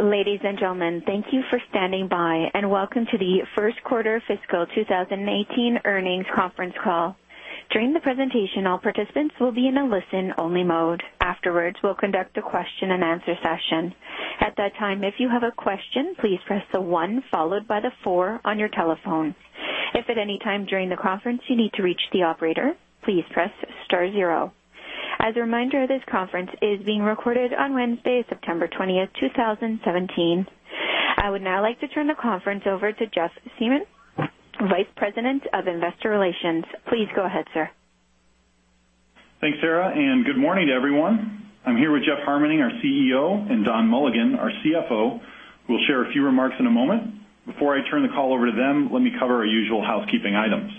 Ladies and gentlemen, thank you for standing by, and welcome to the first quarter fiscal 2018 earnings conference call. During the presentation, all participants will be in a listen-only mode. Afterwards, we will conduct a question and answer session. At that time, if you have a question, please press the one followed by the four on your telephone. If at any time during the conference you need to reach the operator, please press star zero. As a reminder, this conference is being recorded on Wednesday, September 20, 2017. I would now like to turn the conference over to Jeff Siemon, Vice President of Investor Relations. Please go ahead, sir. Thanks, Sarah, good morning to everyone. I am here with Jeff Harmening, our CEO, and Don Mulligan, our CFO, who will share a few remarks in a moment. Before I turn the call over to them, let me cover our usual housekeeping items.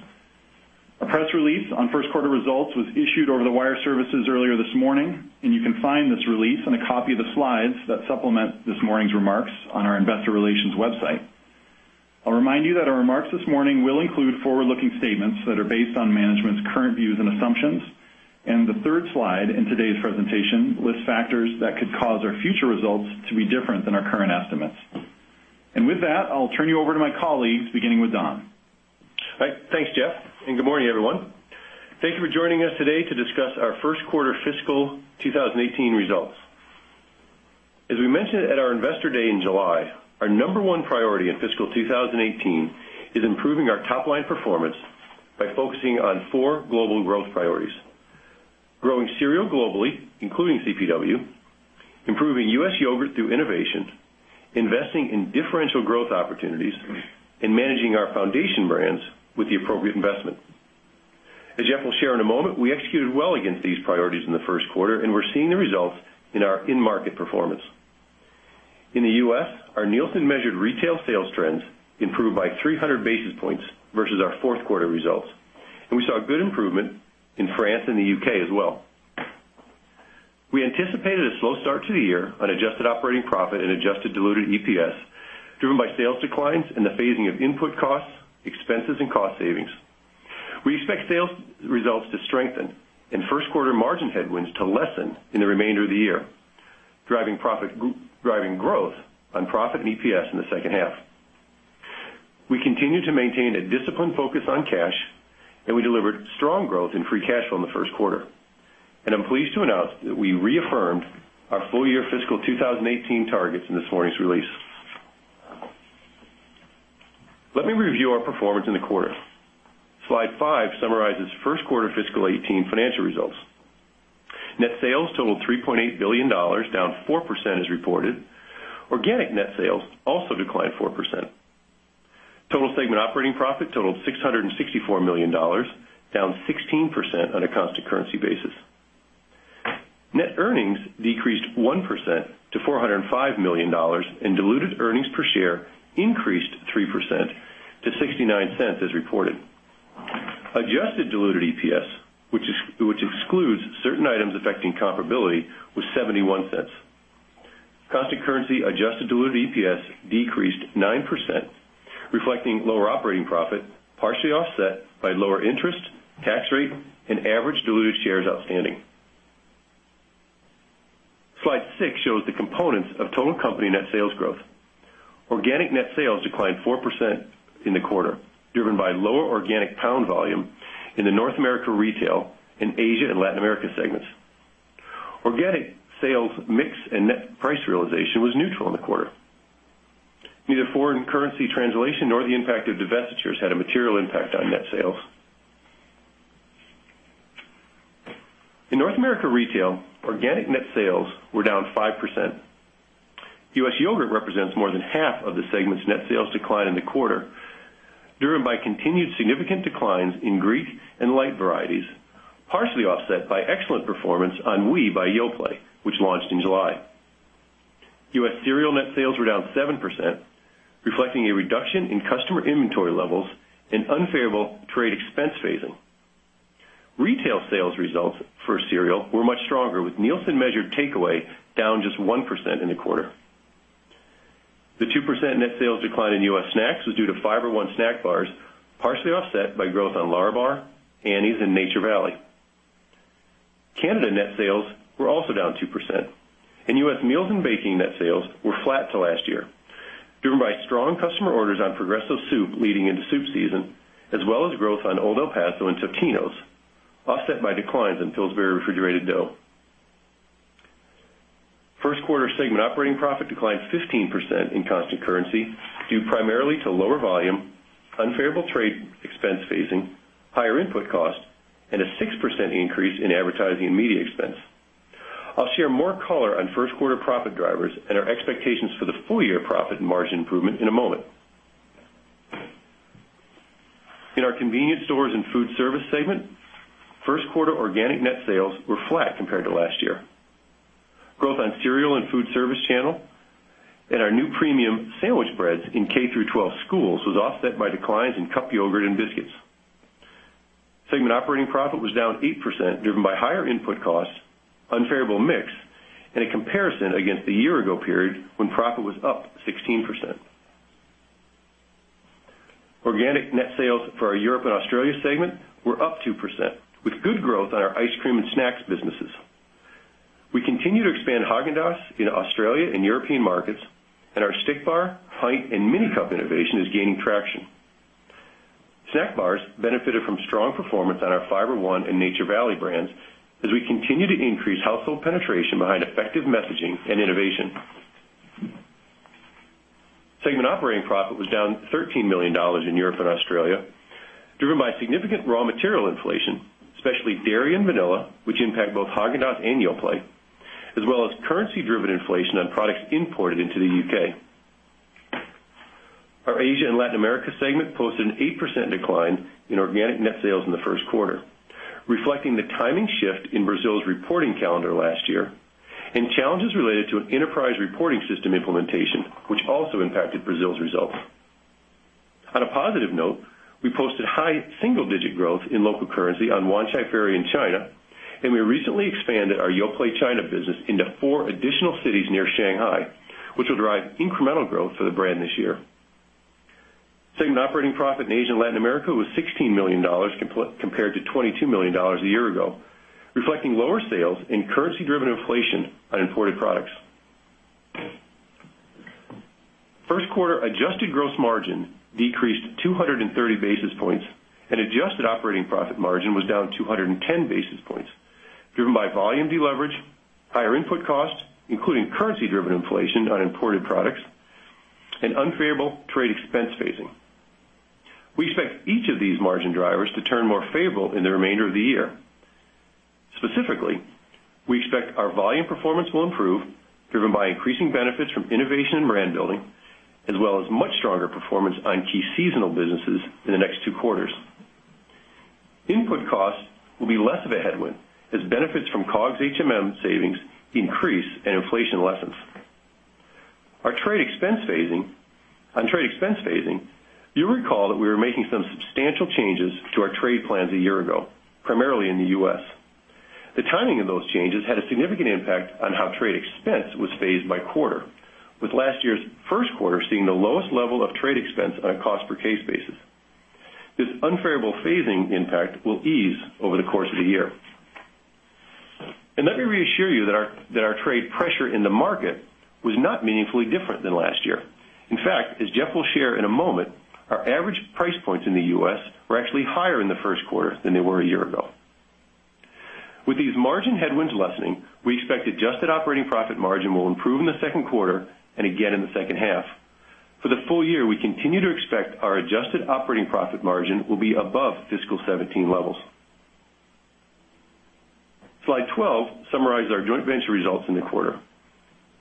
A press release on first quarter results was issued over the wire services earlier this morning, and you can find this release and a copy of the slides that supplement this morning's remarks on our investor relations website. I will remind you that our remarks this morning will include forward-looking statements that are based on management's current views and assumptions. The third slide in today's presentation lists factors that could cause our future results to be different than our current estimates. With that, I will turn you over to my colleagues, beginning with Don. All right. Thanks, Jeff, good morning, everyone. Thank you for joining us today to discuss our first quarter fiscal 2018 results. As we mentioned at our investor day in July, our number one priority in fiscal 2018 is improving our top-line performance by focusing on four global growth priorities. Growing cereal globally, including CPW, improving U.S. yogurt through innovation, investing in differential growth opportunities, and managing our foundation brands with the appropriate investment. As Jeff will share in a moment, we executed well against these priorities in the first quarter, and we are seeing the results in our in-market performance. In the U.S., our Nielsen-measured retail sales trends improved by 300 basis points versus our fourth quarter results, and we saw good improvement in France and the U.K. as well. We anticipated a slow start to the year on adjusted operating profit and adjusted diluted EPS, driven by sales declines and the phasing of input costs, expenses, and cost savings. We expect sales results to strengthen and first quarter margin headwinds to lessen in the remainder of the year, driving growth on profit and EPS in the second half. We continue to maintain a disciplined focus on cash, and we delivered strong growth in free cash flow in the first quarter. I am pleased to announce that we reaffirmed our full-year fiscal 2018 targets in this morning's release. Let me review our performance in the quarter. Slide five summarizes first quarter fiscal 2018 financial results. Net sales totaled $3.8 billion, down 4% as reported. Organic net sales also declined 4%. Total segment operating profit totaled $664 million, down 16% on a constant currency basis. Net earnings decreased 1% to $405 million, and diluted earnings per share increased 3% to $0.69 as reported. Adjusted diluted EPS, which excludes certain items affecting comparability, was $0.71. Constant currency adjusted diluted EPS decreased 9%, reflecting lower operating profit, partially offset by lower interest, tax rate, and average diluted shares outstanding. Slide six shows the components of total company net sales growth. Organic net sales declined 4% in the quarter, driven by lower organic pound volume in the North America Retail in Asia & Latin America segments. Organic sales mix and net price realization was neutral in the quarter. Neither foreign currency translation nor the impact of divestitures had a material impact on net sales. In North America Retail, organic net sales were down 5%. U.S. yogurt represents more than half of the segment's net sales decline in the quarter, driven by continued significant declines in Greek and light varieties, partially offset by excellent performance on Oui by Yoplait, which launched in July. U.S. cereal net sales were down 7%, reflecting a reduction in customer inventory levels and unfavorable trade expense phasing. Retail sales results for cereal were much stronger, with Nielsen measured takeaway down just 1% in the quarter. The 2% net sales decline in U.S. snacks was due to Fiber One snack bars, partially offset by growth on Lärabar, Annie's, and Nature Valley. Canada net sales were also down 2%, and U.S. meals and baking net sales were flat to last year, driven by strong customer orders on Progresso soup leading into soup season, as well as growth on Old El Paso and Totino's, offset by declines in Pillsbury refrigerated dough. First quarter segment operating profit declined 15% in constant currency, due primarily to lower volume, unfavorable trade expense phasing, higher input costs, and a 6% increase in advertising and media expense. I'll share more color on first quarter profit drivers and our expectations for the full-year profit margin improvement in a moment. In our Convenience & Foodservice segment, first quarter organic net sales were flat compared to last year. Growth on cereal and food service channel and our new premium sandwich breads in K-12 schools was offset by declines in cup yogurt and biscuits. Segment operating profit was down 8%, driven by higher input costs, unfavorable mix, and a comparison against the year ago period when profit was up 16%. Organic net sales for our Europe & Australia segment were up 2%, with good growth on our ice cream and snacks businesses. We continue to expand Häagen-Dazs in Australia and European markets, and our stick bar, pint, and mini cup innovation is gaining traction. Snack bars benefited from strong performance on our Fiber One and Nature Valley brands, as we continue to increase household penetration behind effective messaging and innovation. Segment operating profit was down $13 million in Europe & Australia, driven by significant raw material inflation, especially dairy and vanilla, which impact both Häagen-Dazs and Yoplait, as well as currency-driven inflation on products imported into the U.K. Our Asia & Latin America segment posted an 8% decline in organic net sales in the first quarter, reflecting the timing shift in Brazil's reporting calendar last year and challenges related to an enterprise reporting system implementation, which also impacted Brazil's results. On a positive note, we posted high single-digit growth in local currency on Wanchai Ferry in China, and we recently expanded our Yoplait China business into four additional cities near Shanghai, which will drive incremental growth for the brand this year. Segment operating profit in Asia & Latin America was $16 million compared to $22 million a year ago, reflecting lower sales and currency-driven inflation on imported products. First quarter adjusted gross margin decreased 230 basis points and adjusted operating profit margin was down 210 basis points, driven by volume deleverage, higher input costs, including currency-driven inflation on imported products, and unfavorable trade expense phasing. We expect each of these margin drivers to turn more favorable in the remainder of the year. Specifically, we expect our volume performance will improve, driven by increasing benefits from innovation and brand building, as well as much stronger performance on key seasonal businesses in the next two quarters. Input costs will be less of a headwind as benefits from COGS HMM savings increase and inflation lessens. On trade expense phasing, you'll recall that we were making some substantial changes to our trade plans a year ago, primarily in the U.S. The timing of those changes had a significant impact on how trade expense was phased by quarter, with last year's first quarter seeing the lowest level of trade expense on a cost per case basis. This unfavorable phasing impact will ease over the course of the year. Let me reassure you that our trade pressure in the market was not meaningfully different than last year. In fact, as Jeff will share in a moment, our average price points in the U.S. were actually higher in the first quarter than they were a year ago. With these margin headwinds lessening, we expect adjusted operating profit margin will improve in the second quarter and again in the second half. For the full year, we continue to expect our adjusted operating profit margin will be above fiscal 2017 levels. Slide 12 summarizes our joint venture results in the quarter.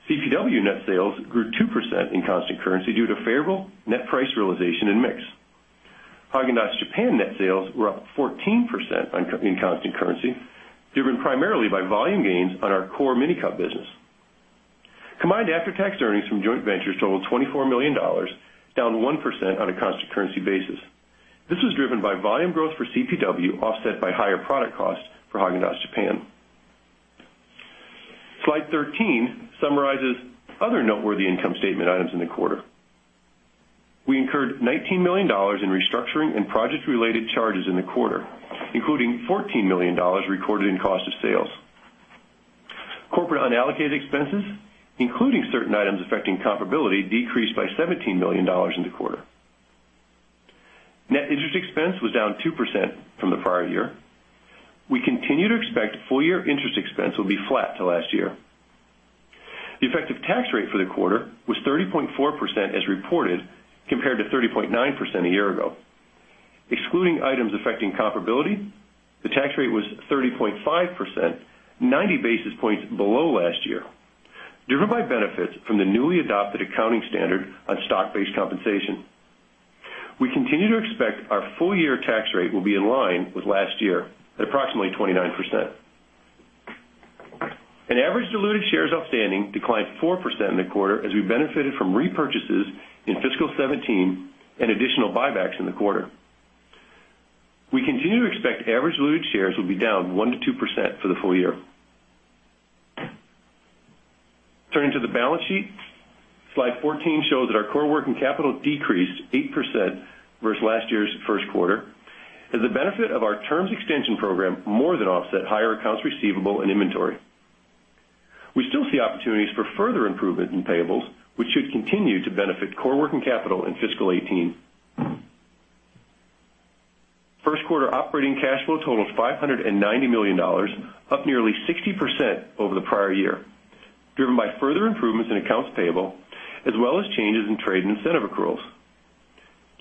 CPW net sales grew 2% in constant currency due to favorable net price realization and mix. Häagen-Dazs Japan net sales were up 14% in constant currency, driven primarily by volume gains on our core mini cup business. Combined after-tax earnings from joint ventures totaled $24 million, down 1% on a constant currency basis. This was driven by volume growth for CPW, offset by higher product costs for Häagen-Dazs Japan. Slide 13 summarizes other noteworthy income statement items in the quarter. We incurred $19 million in restructuring and project-related charges in the quarter, including $14 million recorded in cost of sales. Corporate unallocated expenses, including certain items affecting comparability, decreased by $17 million in the quarter. Net interest expense was down 2% from the prior year. We continue to expect full-year interest expense will be flat to last year. The effective tax rate for the quarter was 30.4% as reported, compared to 30.9% a year ago. Excluding items affecting comparability, the tax rate was 30.5%, 90 basis points below last year, driven by benefits from the newly adopted accounting standard on stock-based compensation. We continue to expect our full-year tax rate will be in line with last year at approximately 29%. Average diluted shares outstanding declined 4% in the quarter as we benefited from repurchases in fiscal 2017 and additional buybacks in the quarter. We continue to expect average diluted shares will be down 1%-2% for the full year. Turning to the balance sheet, slide 14 shows that our core working capital decreased 8% versus last year's first quarter, as the benefit of our terms extension program more than offset higher accounts receivable and inventory. We still see opportunities for further improvement in payables, which should continue to benefit core working capital in fiscal 2018. First quarter operating cash flow totals $590 million, up nearly 60% over the prior year, driven by further improvements in accounts payable, as well as changes in trade and incentive accruals.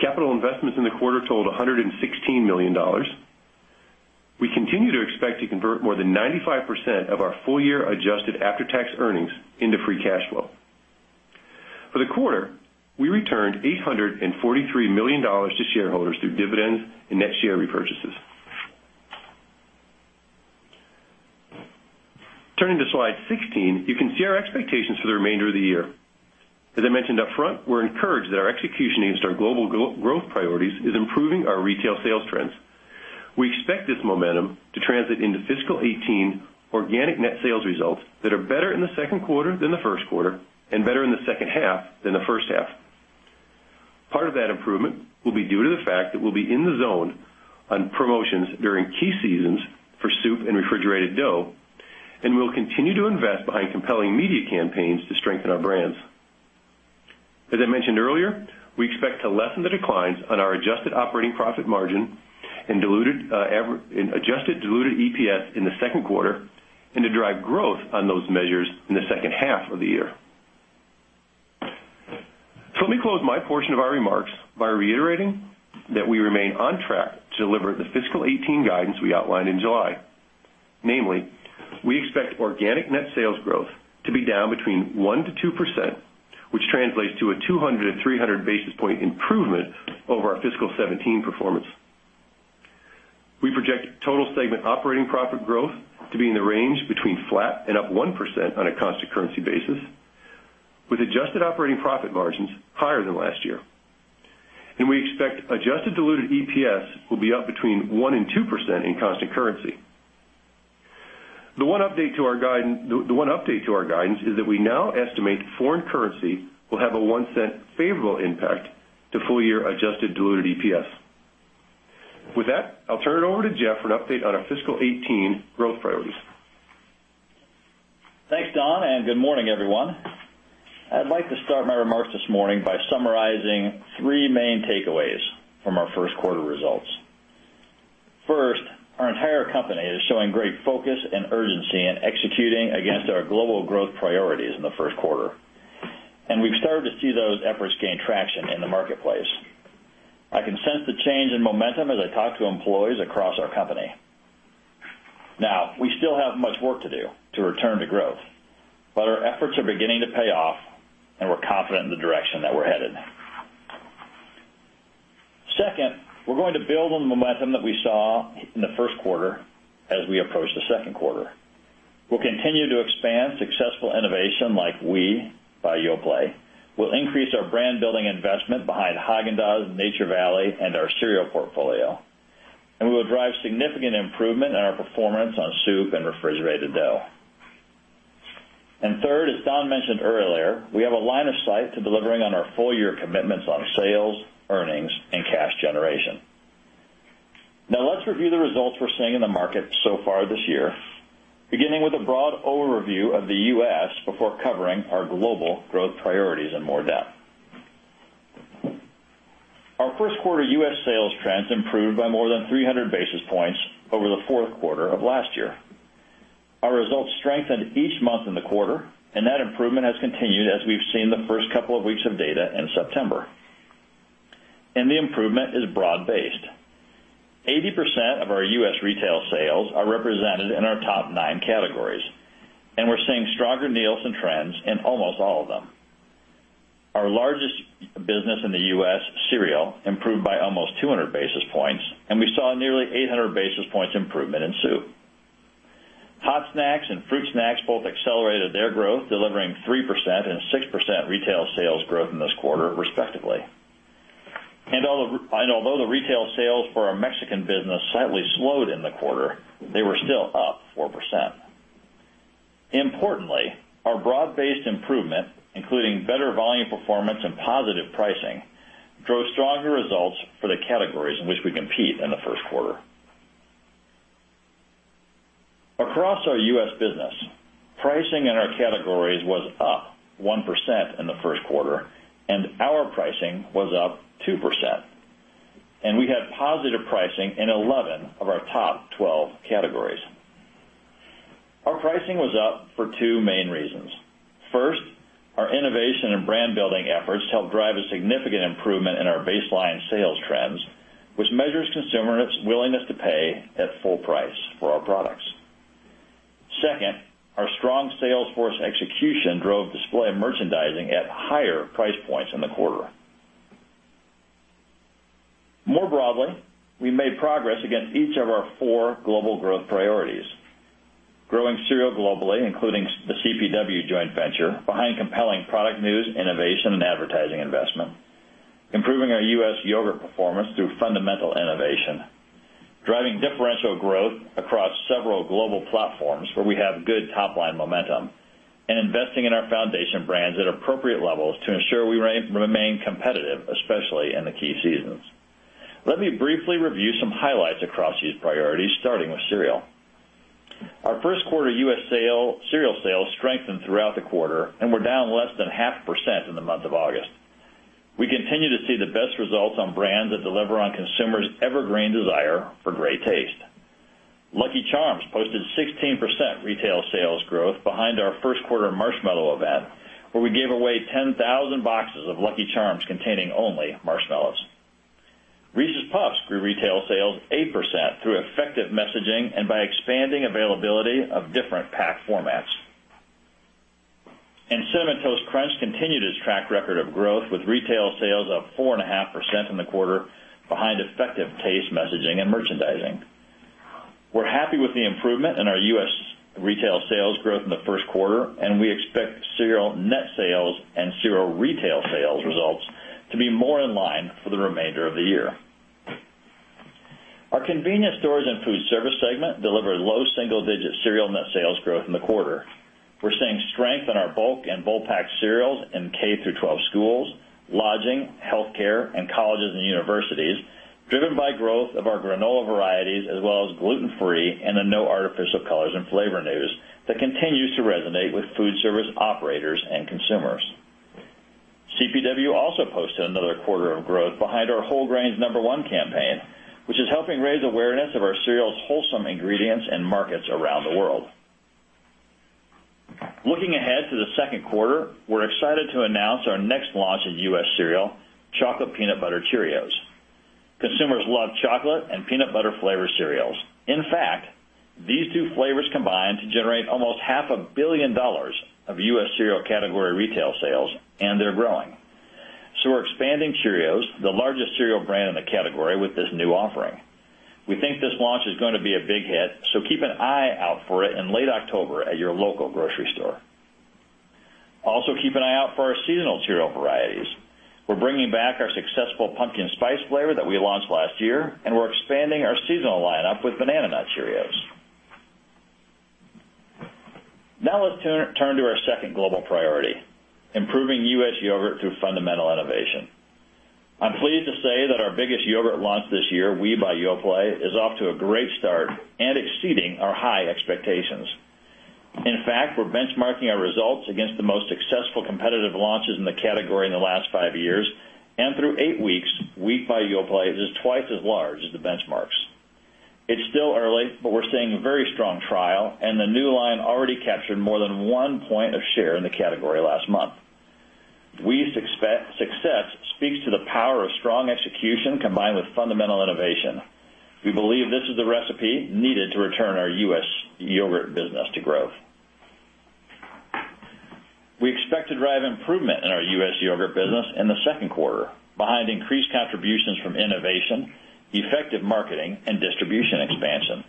Capital investments in the quarter totaled $116 million. We continue to expect to convert more than 95% of our full-year adjusted after-tax earnings into free cash flow. For the quarter, we returned $843 million to shareholders through dividends and net share repurchases. Turning to slide 16, you can see our expectations for the remainder of the year. As I mentioned up front, we are encouraged that our execution against our global growth priorities is improving our retail sales trends. We expect this momentum to transit into fiscal 2018 organic net sales results that are better in the second quarter than the first quarter and better in the second half than the first half. Part of that improvement will be due to the fact that we will be in the zone on promotions during key seasons for soup and refrigerated dough, and we will continue to invest behind compelling media campaigns to strengthen our brands. As I mentioned earlier, we expect to lessen the declines on our adjusted operating profit margin and adjusted diluted EPS in the second quarter and to drive growth on those measures in the second half of the year. Let me close my portion of our remarks by reiterating that we remain on track to deliver the fiscal 2018 guidance we outlined in July. Namely, we expect organic net sales growth to be down between 1%-2%, which translates to a 200-300 basis point improvement over our fiscal 2017 performance. We project total segment operating profit growth to be in the range between flat and up 1% on a constant currency basis, with adjusted operating profit margins higher than last year. We expect adjusted diluted EPS will be up between 1% and 2% in constant currency. The one update to our guidance is that we now estimate foreign currency will have a $0.01 favorable impact to full year adjusted diluted EPS. With that, I will turn it over to Jeff for an update on our fiscal 2018 growth priorities. Thanks, Don, good morning, everyone. I'd like to start my remarks this morning by summarizing three main takeaways from our first quarter results. First, our entire company is showing great focus and urgency in executing against our global growth priorities in the first quarter. We've started to see those efforts gain traction in the marketplace. I can sense the change in momentum as I talk to employees across our company. We still have much work to do to return to growth, but our efforts are beginning to pay off and we're confident in the direction that we're headed. Second, we're going to build on the momentum that we saw in the first quarter as we approach the second quarter. We'll continue to expand successful innovation like Oui by Yoplait. We'll increase our brand-building investment behind Häagen-Dazs, Nature Valley, and our cereal portfolio. We will drive significant improvement in our performance on soup and refrigerated dough. Third, as Don mentioned earlier, we have a line of sight to delivering on our full-year commitments on sales, earnings, and cash generation. Let's review the results we're seeing in the market so far this year, beginning with a broad overview of the U.S. before covering our global growth priorities in more depth. Our first quarter U.S. sales trends improved by more than 300 basis points over the fourth quarter of last year. Our results strengthened each month in the quarter, that improvement has continued as we've seen the first couple of weeks of data in September. The improvement is broad-based. 80% of our U.S. retail sales are represented in our top 9 categories, and we're seeing stronger Nielsen trends in almost all of them. Our largest business in the U.S., cereal, improved by almost 200 basis points, and we saw nearly 800 basis points improvement in soup. Hot snacks and fruit snacks both accelerated their growth, delivering 3% and 6% retail sales growth in this quarter respectively. Although the retail sales for our Mexican business slightly slowed in the quarter, they were still up 4%. Importantly, our broad-based improvement, including better volume performance and positive pricing, drove stronger results for the categories in which we compete in the first quarter. Across our U.S. business, pricing in our categories was up 1% in the first quarter and our pricing was up 2%. We had positive pricing in 11 of our top 12 categories. Our pricing was up for two main reasons. First, our innovation and brand-building efforts helped drive a significant improvement in our baseline sales trends, which measures consumers' willingness to pay at full price for our products. Second, our strong sales force execution drove display merchandising at higher price points in the quarter. More broadly, we made progress against each of our four global growth priorities. Growing cereal globally, including the CPW joint venture behind compelling product news, innovation and advertising investment, improving our U.S. yogurt performance through fundamental innovation, driving differential growth across several global platforms where we have good top-line momentum, and investing in our foundation brands at appropriate levels to ensure we remain competitive, especially in the key seasons. Let me briefly review some highlights across these priorities, starting with cereal. Our first quarter U.S. cereal sales strengthened throughout the quarter and were down less than 0.5% in the month of August. We continue to see the best results on brands that deliver on consumers' evergreen desire for great taste. Lucky Charms posted 16% retail sales growth behind our first quarter marshmallow event, where we gave away 10,000 boxes of Lucky Charms containing only marshmallows. Reese's Puffs grew retail sales 8% through effective messaging and by expanding availability of different pack formats. Cinnamon Toast Crunch continued its track record of growth with retail sales up 4.5% in the quarter behind effective taste messaging and merchandising. We're happy with the improvement in our U.S. retail sales growth in the first quarter, and we expect cereal net sales and cereal retail sales results to be more in line for the remainder of the year. Our Convenience & Foodservice segment delivered low single-digit cereal net sales growth in the quarter. We're seeing strength in our bulk and bulk pack cereals in K-12 schools, lodging, healthcare, and colleges and universities, driven by growth of our granola varieties, as well as gluten-free and the no artificial colors and flavor news that continues to resonate with Foodservice operators and consumers. CPW also posted another quarter of growth behind our Whole Grains Number One campaign, which is helping raise awareness of our cereal's wholesome ingredients in markets around the world. Looking ahead to the second quarter, we're excited to announce our next launch in U.S. cereal, Chocolate Peanut Butter Cheerios. Consumers love chocolate and peanut butter flavored cereals. In fact, these two flavors combine to generate almost half a billion dollars of U.S. cereal category retail sales, and they're growing. We're expanding Cheerios, the largest cereal brand in the category, with this new offering. We think this launch is going to be a big hit, keep an eye out for it in late October at your local grocery store. Keep an eye out for our seasonal cereal varieties. We're bringing back our successful pumpkin spice flavor that we launched last year, and we're expanding our seasonal lineup with Banana Nut Cheerios. Let's turn to our second global priority, improving U.S. yogurt through fundamental innovation. I'm pleased to say that our biggest yogurt launch this year, Oui by Yoplait, is off to a great start and exceeding our high expectations. In fact, we're benchmarking our results against the most successful competitive launches in the category in the last five years. Through eight weeks, Oui by Yoplait is twice as large as the benchmarks. It's still early, we're seeing very strong trial, the new line already captured more than one point of share in the category last month. Oui's success speaks to the power of strong execution combined with fundamental innovation. We believe this is the recipe needed to return our U.S. yogurt business to growth. We expect to drive improvement in our U.S. yogurt business in the second quarter behind increased contributions from innovation, effective marketing, and distribution expansion.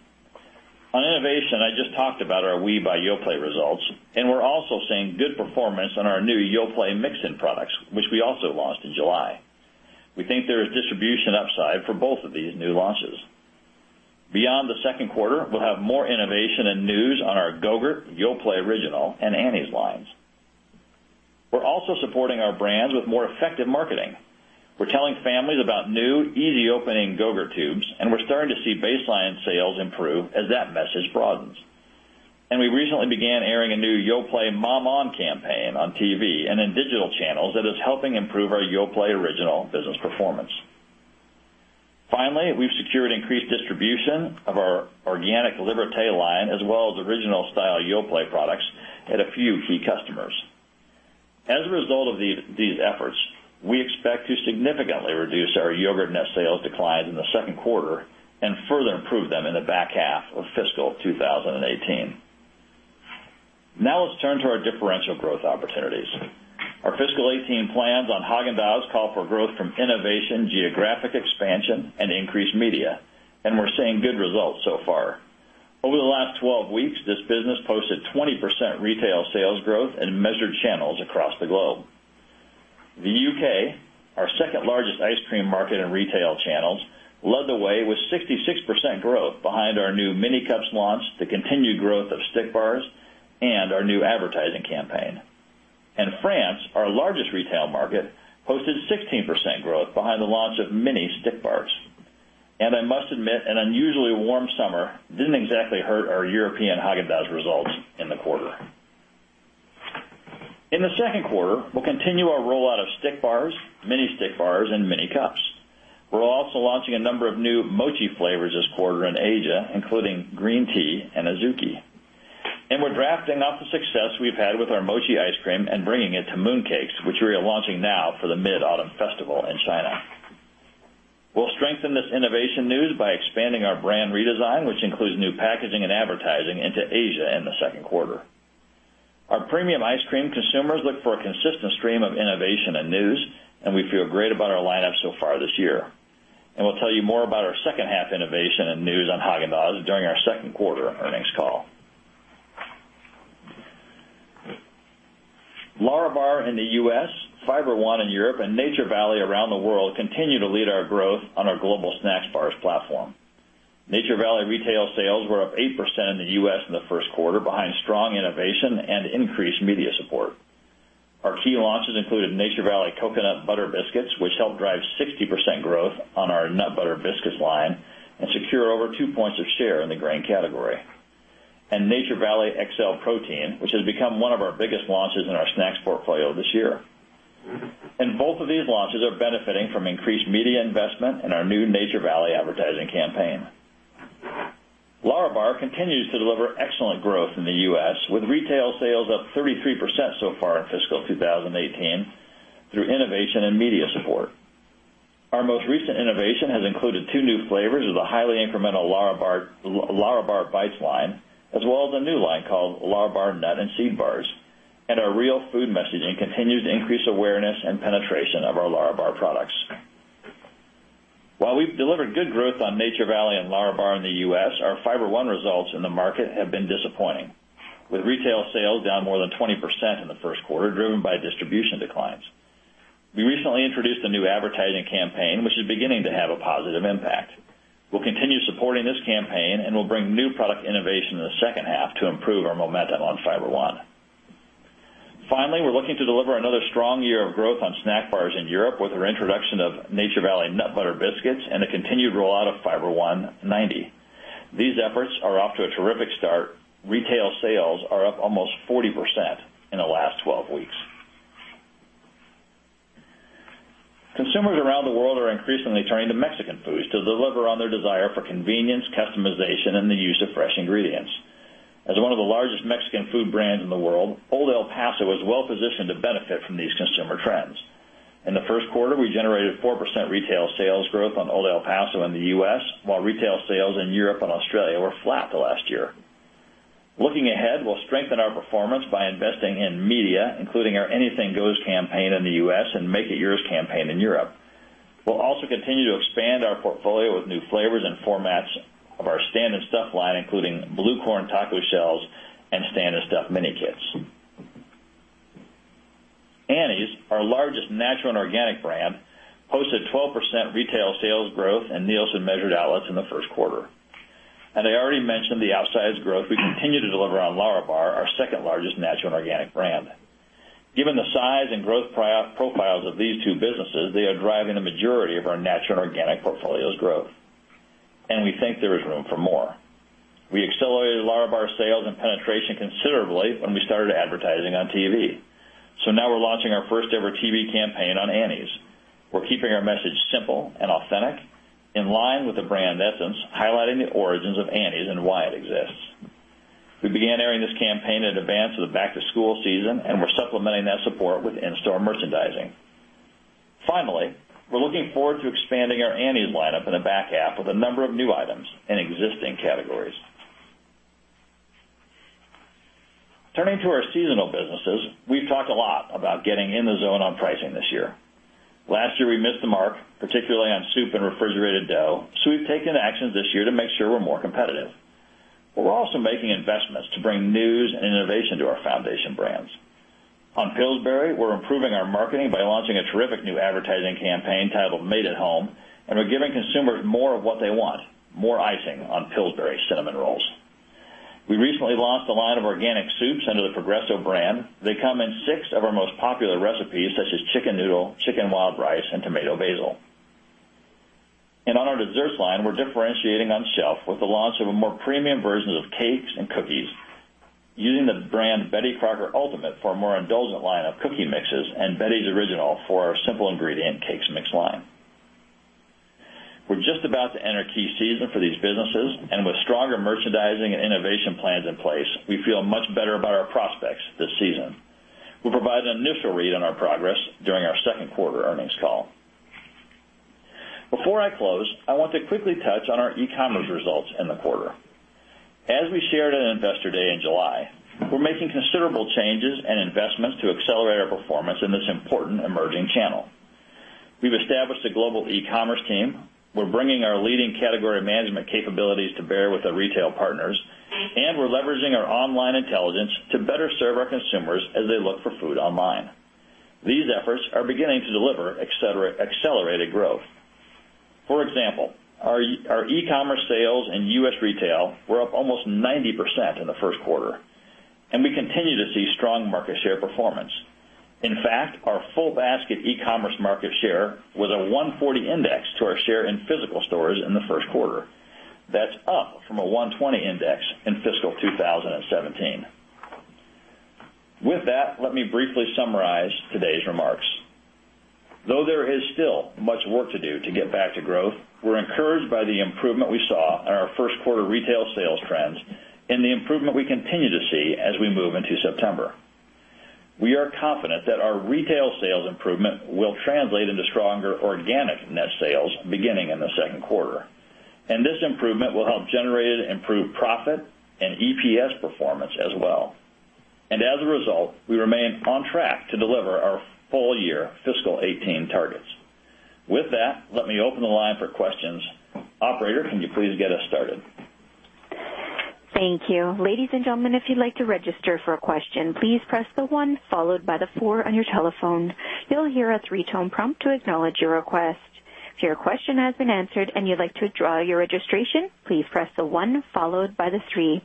On innovation, I just talked about our Oui by Yoplait results, and we're also seeing good performance on our new Yoplait Mix-Ins products, which we also launched in July. We think there is distribution upside for both of these new launches. Beyond the second quarter, we'll have more innovation and news on our Go-Gurt, Yoplait Original, and Annie's lines. We're also supporting our brands with more effective marketing. We're telling families about new, easy opening Go-Gurt tubes, and we're starting to see baseline sales improve as that message broadens. We recently began airing a new Yoplait Mom On campaign on TV and in digital channels that is helping improve our Yoplait Original business performance. Finally, we've secured increased distribution of our organic Liberté line, as well as original style Yoplait products at a few key customers. As a result of these efforts, we expect to significantly reduce our yogurt net sales decline in the second quarter and further improve them in the back half of fiscal 2018. Now let's turn to our differential growth opportunities. Our fiscal 2018 plans on Häagen-Dazs call for growth from innovation, geographic expansion, and increased media, and we're seeing good results so far. Over the last 12 weeks, this business posted 20% retail sales growth in measured channels across the globe. The U.K., our second largest ice cream market in retail channels, led the way with 66% growth behind our new Mini Cups launch, the continued growth of Stick Bars, and our new advertising campaign. France, our largest retail market, posted 16% growth behind the launch of Mini Stick Bars. I must admit, an unusually warm summer didn't exactly hurt our European Häagen-Dazs results in the quarter. In the second quarter, we'll continue our rollout of Stick Bars, Mini Stick Bars, and Mini Cups. We're also launching a number of new mochi flavors this quarter in Asia, including green tea and azuki. We're drafting off the success we've had with our mochi ice cream and bringing it to mooncakes, which we are launching now for the Mid-Autumn Festival in China. We'll strengthen this innovation news by expanding our brand redesign, which includes new packaging and advertising into Asia in the second quarter. Our premium ice cream consumers look for a consistent stream of innovation and news, and we feel great about our lineup so far this year. We'll tell you more about our second half innovation and news on Häagen-Dazs during our second quarter earnings call. Lärabar in the U.S., Fiber One in Europe, and Nature Valley around the world continue to lead our growth on our global snacks bars platform. Nature Valley retail sales were up 8% in the U.S. in the first quarter behind strong innovation and increased media support. Our key launches included Nature Valley Coconut Butter Biscuits, which helped drive 60% growth on our nut butter biscuits line and secure over two points of share in the grain category. Nature Valley XL Protein, which has become one of our biggest launches in our snacks portfolio this year. Both of these launches are benefiting from increased media investment in our new Nature Valley advertising campaign. Lärabar continues to deliver excellent growth in the U.S., with retail sales up 33% so far in fiscal 2018 through innovation and media support. Our most recent innovation has included two new flavors of the highly incremental Lärabar Bites line, as well as a new line called Lärabar Nut & Seed Bars. Our real food messaging continued to increase awareness and penetration of our Lärabar products. While we've delivered good growth on Nature Valley and Lärabar in the U.S., our Fiber One results in the market have been disappointing, with retail sales down more than 20% in the first quarter, driven by distribution declines. We recently introduced a new advertising campaign, which is beginning to have a positive impact. We'll continue supporting this campaign, and we'll bring new product innovation in the second half to improve our momentum on Fiber One. Finally, we're looking to deliver another strong year of growth on snack bars in Europe with our introduction of Nature Valley Coconut Butter Biscuits and the continued rollout of Fiber One 90. These efforts are off to a terrific start. Retail sales are up almost 40% in the last 12 weeks. Consumers around the world are increasingly turning to Mexican foods to deliver on their desire for convenience, customization, and the use of fresh ingredients. As one of the largest Mexican food brands in the world, Old El Paso is well-positioned to benefit from these consumer trends. In the first quarter, we generated 4% retail sales growth on Old El Paso in the U.S., while retail sales in Europe and Australia were flat to last year. Looking ahead, we'll strengthen our performance by investing in media, including our Anything Goes campaign in the U.S. and Make It Yours campaign in Europe. We'll also continue to expand our portfolio with new flavors and formats of our Stand 'N Stuff line, including blue corn taco shells and Stand 'N Stuff mini kits. Annie's, our largest natural and organic brand, posted 12% retail sales growth in Nielsen-measured outlets in the first quarter. I already mentioned the outsized growth we continue to deliver on Lärabar, our second-largest natural and organic brand. Given the size and growth profiles of these two businesses, they are driving the majority of our natural and organic portfolio's growth, and we think there is room for more. We accelerated Lärabar sales and penetration considerably when we started advertising on TV, now we're launching our first-ever TV campaign on Annie's. We're keeping our message simple and authentic, in line with the brand essence, highlighting the origins of Annie's and why it exists. We began airing this campaign in advance of the back-to-school season, and we're supplementing that support with in-store merchandising. Finally, we're looking forward to expanding our Annie's lineup in the back half with a number of new items in existing categories. Turning to our seasonal businesses, we've talked a lot about getting in the zone on pricing this year. Last year, we missed the mark, particularly on soup and refrigerated dough, we've taken actions this year to make sure we're more competitive. We're also making investments to bring news and innovation to our foundation brands. On Pillsbury, we're improving our marketing by launching a terrific new advertising campaign titled Made at Home, and we're giving consumers more of what they want, more icing on Pillsbury cinnamon rolls. We recently launched a line of organic soups under the Progresso brand. They come in six of our most popular recipes, such as chicken noodle, chicken wild rice, and tomato basil. On our desserts line, we're differentiating on shelf with the launch of a more premium version of cakes and cookies using the brand Betty Crocker Ultimate for our more indulgent line of cookie mixes and Betty's Original for our simple ingredient cakes mix line. We're just about to enter key season for these businesses, and with stronger merchandising and innovation plans in place, we feel much better about our prospects this season. We'll provide an initial read on our progress during our second quarter earnings call. Before I close, I want to quickly touch on our e-commerce results in the quarter. As we shared at Investor Day in July, we're making considerable changes and investments to accelerate our performance in this important emerging channel. We've established a global e-commerce team. We're bringing our leading category management capabilities to bear with our retail partners, and we're leveraging our online intelligence to better serve our consumers as they look for food online. These efforts are beginning to deliver accelerated growth. For example, our e-commerce sales in U.S. retail were up almost 90% in the first quarter, and we continue to see strong market share performance. In fact, our full basket e-commerce market share was a 140 index to our share in physical stores in the first quarter. That's up from a 120 index in fiscal 2017. With that, let me briefly summarize today's remarks. Though there is still much work to do to get back to growth, we're encouraged by the improvement we saw in our first quarter retail sales trends and the improvement we continue to see as we move into September. We are confident that our retail sales improvement will translate into stronger organic net sales beginning in the second quarter, and this improvement will help generate improved profit and EPS performance as well. As a result, we remain on track to deliver our full year fiscal 2018 targets. With that, let me open the line for questions. Operator, can you please get us started? Thank you. Ladies and gentlemen, if you'd like to register for a question, please press the one followed by the four on your telephone. You'll hear a three-tone prompt to acknowledge your request. If your question has been answered and you'd like to withdraw your registration, please press the one followed by the three.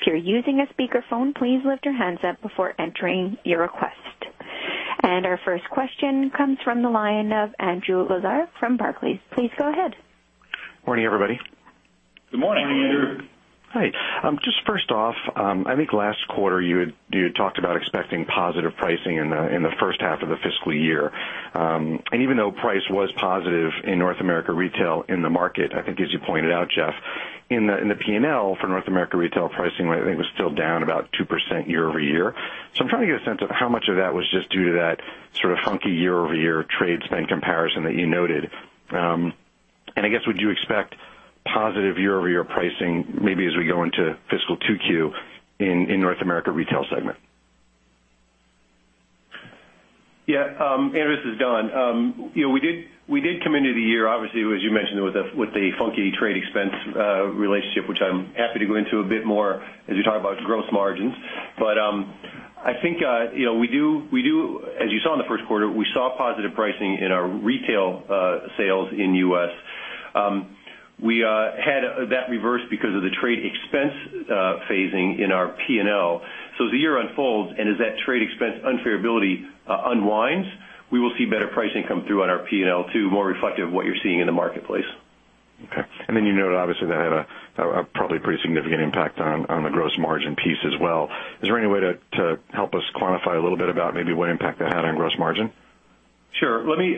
If you're using a speakerphone, please lift your handset before entering your request. Our first question comes from the line of Andrew Lazar from Barclays. Please go ahead. Morning, everybody. Good morning, Andrew. Hi. Just first off, I think last quarter you had talked about expecting positive pricing in the first half of the fiscal year. Even though price was positive in North America Retail in the market, I think as you pointed out, Jeff, in the P&L for North America Retail pricing, I think it was still down about 2% year-over-year. I'm trying to get a sense of how much of that was just due to that sort of funky year-over-year trade spend comparison that you noted. I guess, would you expect positive year-over-year pricing, maybe as we go into fiscal 2Q in North America Retail segment. Yeah. Andrew, this is Don. We did come into the year, obviously, as you mentioned, with a funky trade expense relationship, which I'm happy to go into a bit more as we talk about gross margins. I think, as you saw in the first quarter, we saw positive pricing in our retail sales in U.S. We had that reverse because of the trade expense phasing in our P&L. As the year unfolds, and as that trade expense unfairability unwinds, we will see better pricing come through on our P&L too, more reflective of what you're seeing in the marketplace. Okay. You noted, obviously, that had a probably pretty significant impact on the gross margin piece as well. Is there any way to help us quantify a little bit about maybe what impact that had on gross margin? Sure. Let me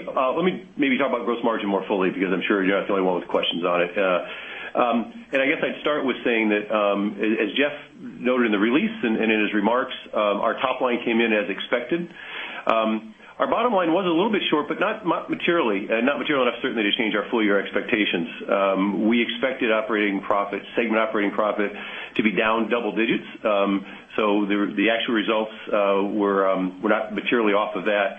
maybe talk about gross margin more fully, because I'm sure you're not the only one with questions on it. I guess I'd start with saying that, as Jeff noted in the release and in his remarks, our top line came in as expected. Our bottom line was a little bit short, but not materially enough, certainly, to change our full-year expectations. We expected segment operating profit to be down double digits. The actual results were not materially off of that.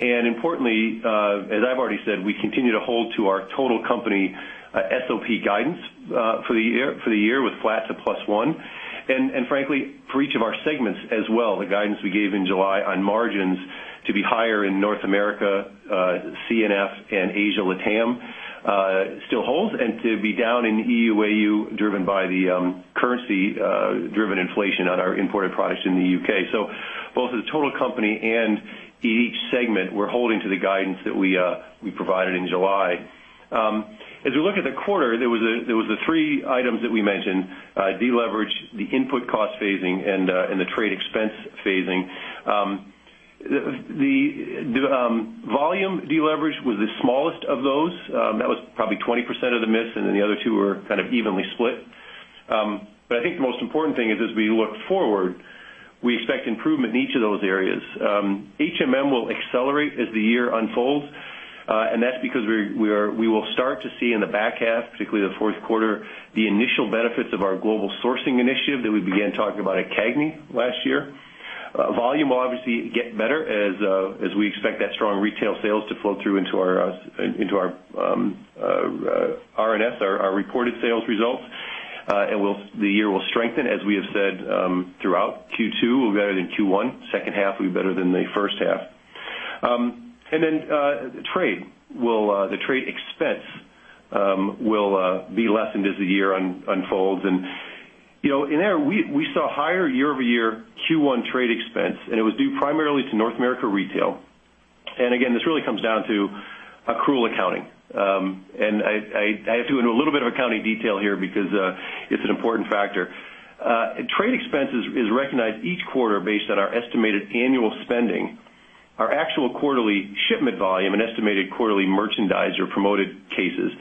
Importantly, as I've already said, we continue to hold to our total company SOP guidance for the year with flat to +1. Frankly, for each of our segments as well, the guidance we gave in July on margins to be higher in North America, C&F, and Asia LATAM still holds, and to be down in EU AU, driven by the currency-driven inflation on our imported products in the U.K. Both the total company and each segment, we're holding to the guidance that we provided in July. As we look at the quarter, there was the three items that we mentioned, deleverage, the input cost phasing, and the trade expense phasing. The volume deleverage was the smallest of those. That was probably 20% of the miss, and then the other two were kind of evenly split. I think the most important thing is, as we look forward, we expect improvement in each of those areas. HMM will accelerate as the year unfolds, that's because we will start to see in the back half, particularly the fourth quarter, the initial benefits of our global sourcing initiative that we began talking about at CAGNY last year. Volume will obviously get better as we expect that strong retail sales to flow through into our RNS, our reported sales results. The year will strengthen, as we have said throughout Q2 will be better than Q1. Second half will be better than the first half. The trade expense will be lessened as the year unfolds. We saw higher year-over-year Q1 trade expense, it was due primarily to North America Retail. Again, this really comes down to accrual accounting. I have to go into a little bit of accounting detail here because it's an important factor. Trade expense is recognized each quarter based on our estimated annual spending, our actual quarterly shipment volume, and estimated quarterly merchandiser promoted cases.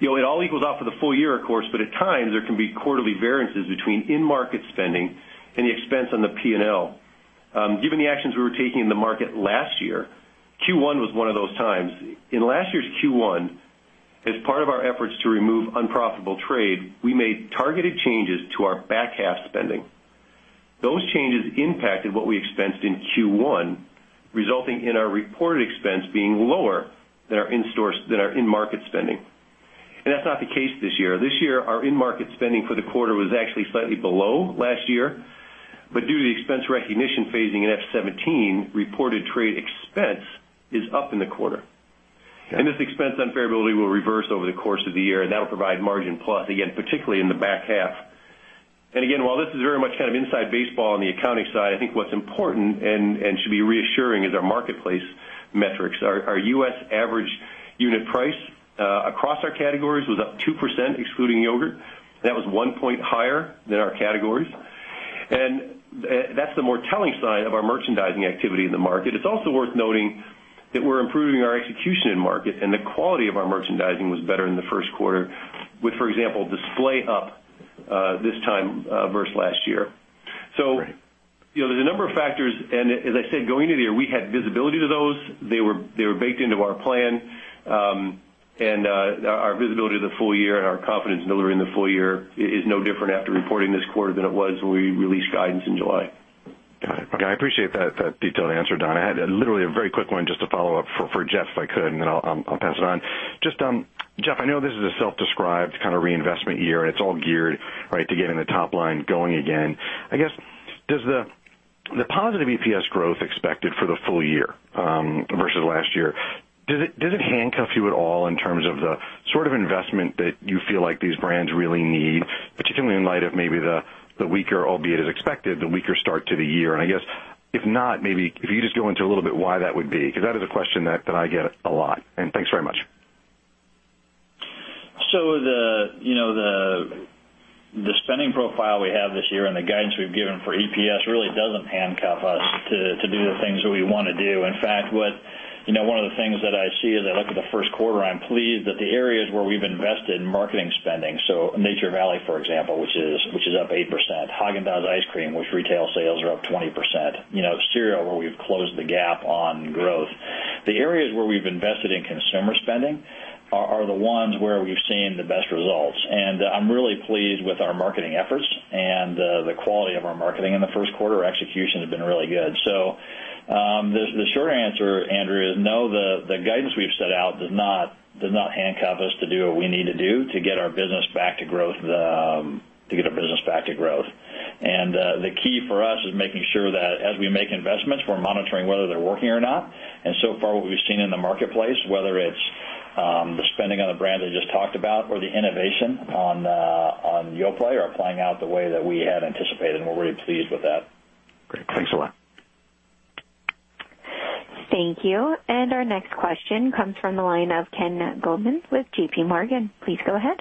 It all equals out for the full year, of course, but at times, there can be quarterly variances between in-market spending and the expense on the P&L. Given the actions we were taking in the market last year, Q1 was one of those times. In last year's Q1, as part of our efforts to remove unprofitable trade, we made targeted changes to our back-half spending. Those changes impacted what we expensed in Q1, resulting in our reported expense being lower than our in-market spending. That's not the case this year. This year, our in-market spending for the quarter was actually slightly below last year, but due to the expense recognition phasing in FY 2017, reported trade expense is up in the quarter. Okay. This expense unfavorability will reverse over the course of the year, and that'll provide margin plus, again, particularly in the back half. Again, while this is very much kind of inside baseball on the accounting side, I think what's important and should be reassuring is our marketplace metrics. Our U.S. average unit price across our categories was up 2%, excluding yogurt. That was one point higher than our categories. That's the more telling sign of our merchandising activity in the market. It's also worth noting that we're improving our execution in market, and the quality of our merchandising was better in the first quarter with, for example, display up this time versus last year. Right. There's a number of factors, and as I said, going into the year, we had visibility to those. They were baked into our plan, and our visibility to the full year and our confidence in delivering the full year is no different after reporting this quarter than it was when we released guidance in July. Got it. Okay. I appreciate that detailed answer, Don. I had literally a very quick one just to follow up for Jeff, if I could, and then I'll pass it on. Jeff, I know this is a self-described kind of reinvestment year, and it's all geared to getting the top line going again. Does the positive EPS growth expected for the full year versus last year, does it handcuff you at all in terms of the sort of investment that you feel like these brands really need, particularly in light of maybe the weaker, albeit as expected, the weaker start to the year? If not, maybe if you could just go into a little bit why that would be, because that is a question that I get a lot. Thanks very much. The spending profile we have this year and the guidance we've given for EPS really doesn't handcuff us to do the things that we want to do. In fact, one of the things that I see as I look at the first quarter, I'm pleased that the areas where we've invested in marketing spending, Nature Valley, for example, which is up 8%, Häagen-Dazs ice cream, which retail sales are up 20%, Cereal, where we've closed the gap on growth. The areas where we've invested in consumer spending are the ones where we've seen the best results. I'm really pleased with our marketing efforts and the quality of our marketing in the first quarter. Execution has been really good. The short answer, Andrew, is no. The guidance we've set out does not handcuff us to do what we need to do to get our business back to growth. The key for us is making sure that as we make investments, we're monitoring whether they're working or not. So far what we've seen in the marketplace, whether it's the spending on the brand I just talked about or the innovation on Yoplait are playing out the way that we had anticipated, and we're really pleased with that. Great. Thanks a lot. Thank you. Our next question comes from the line of Ken Goldman with J.P. Morgan. Please go ahead.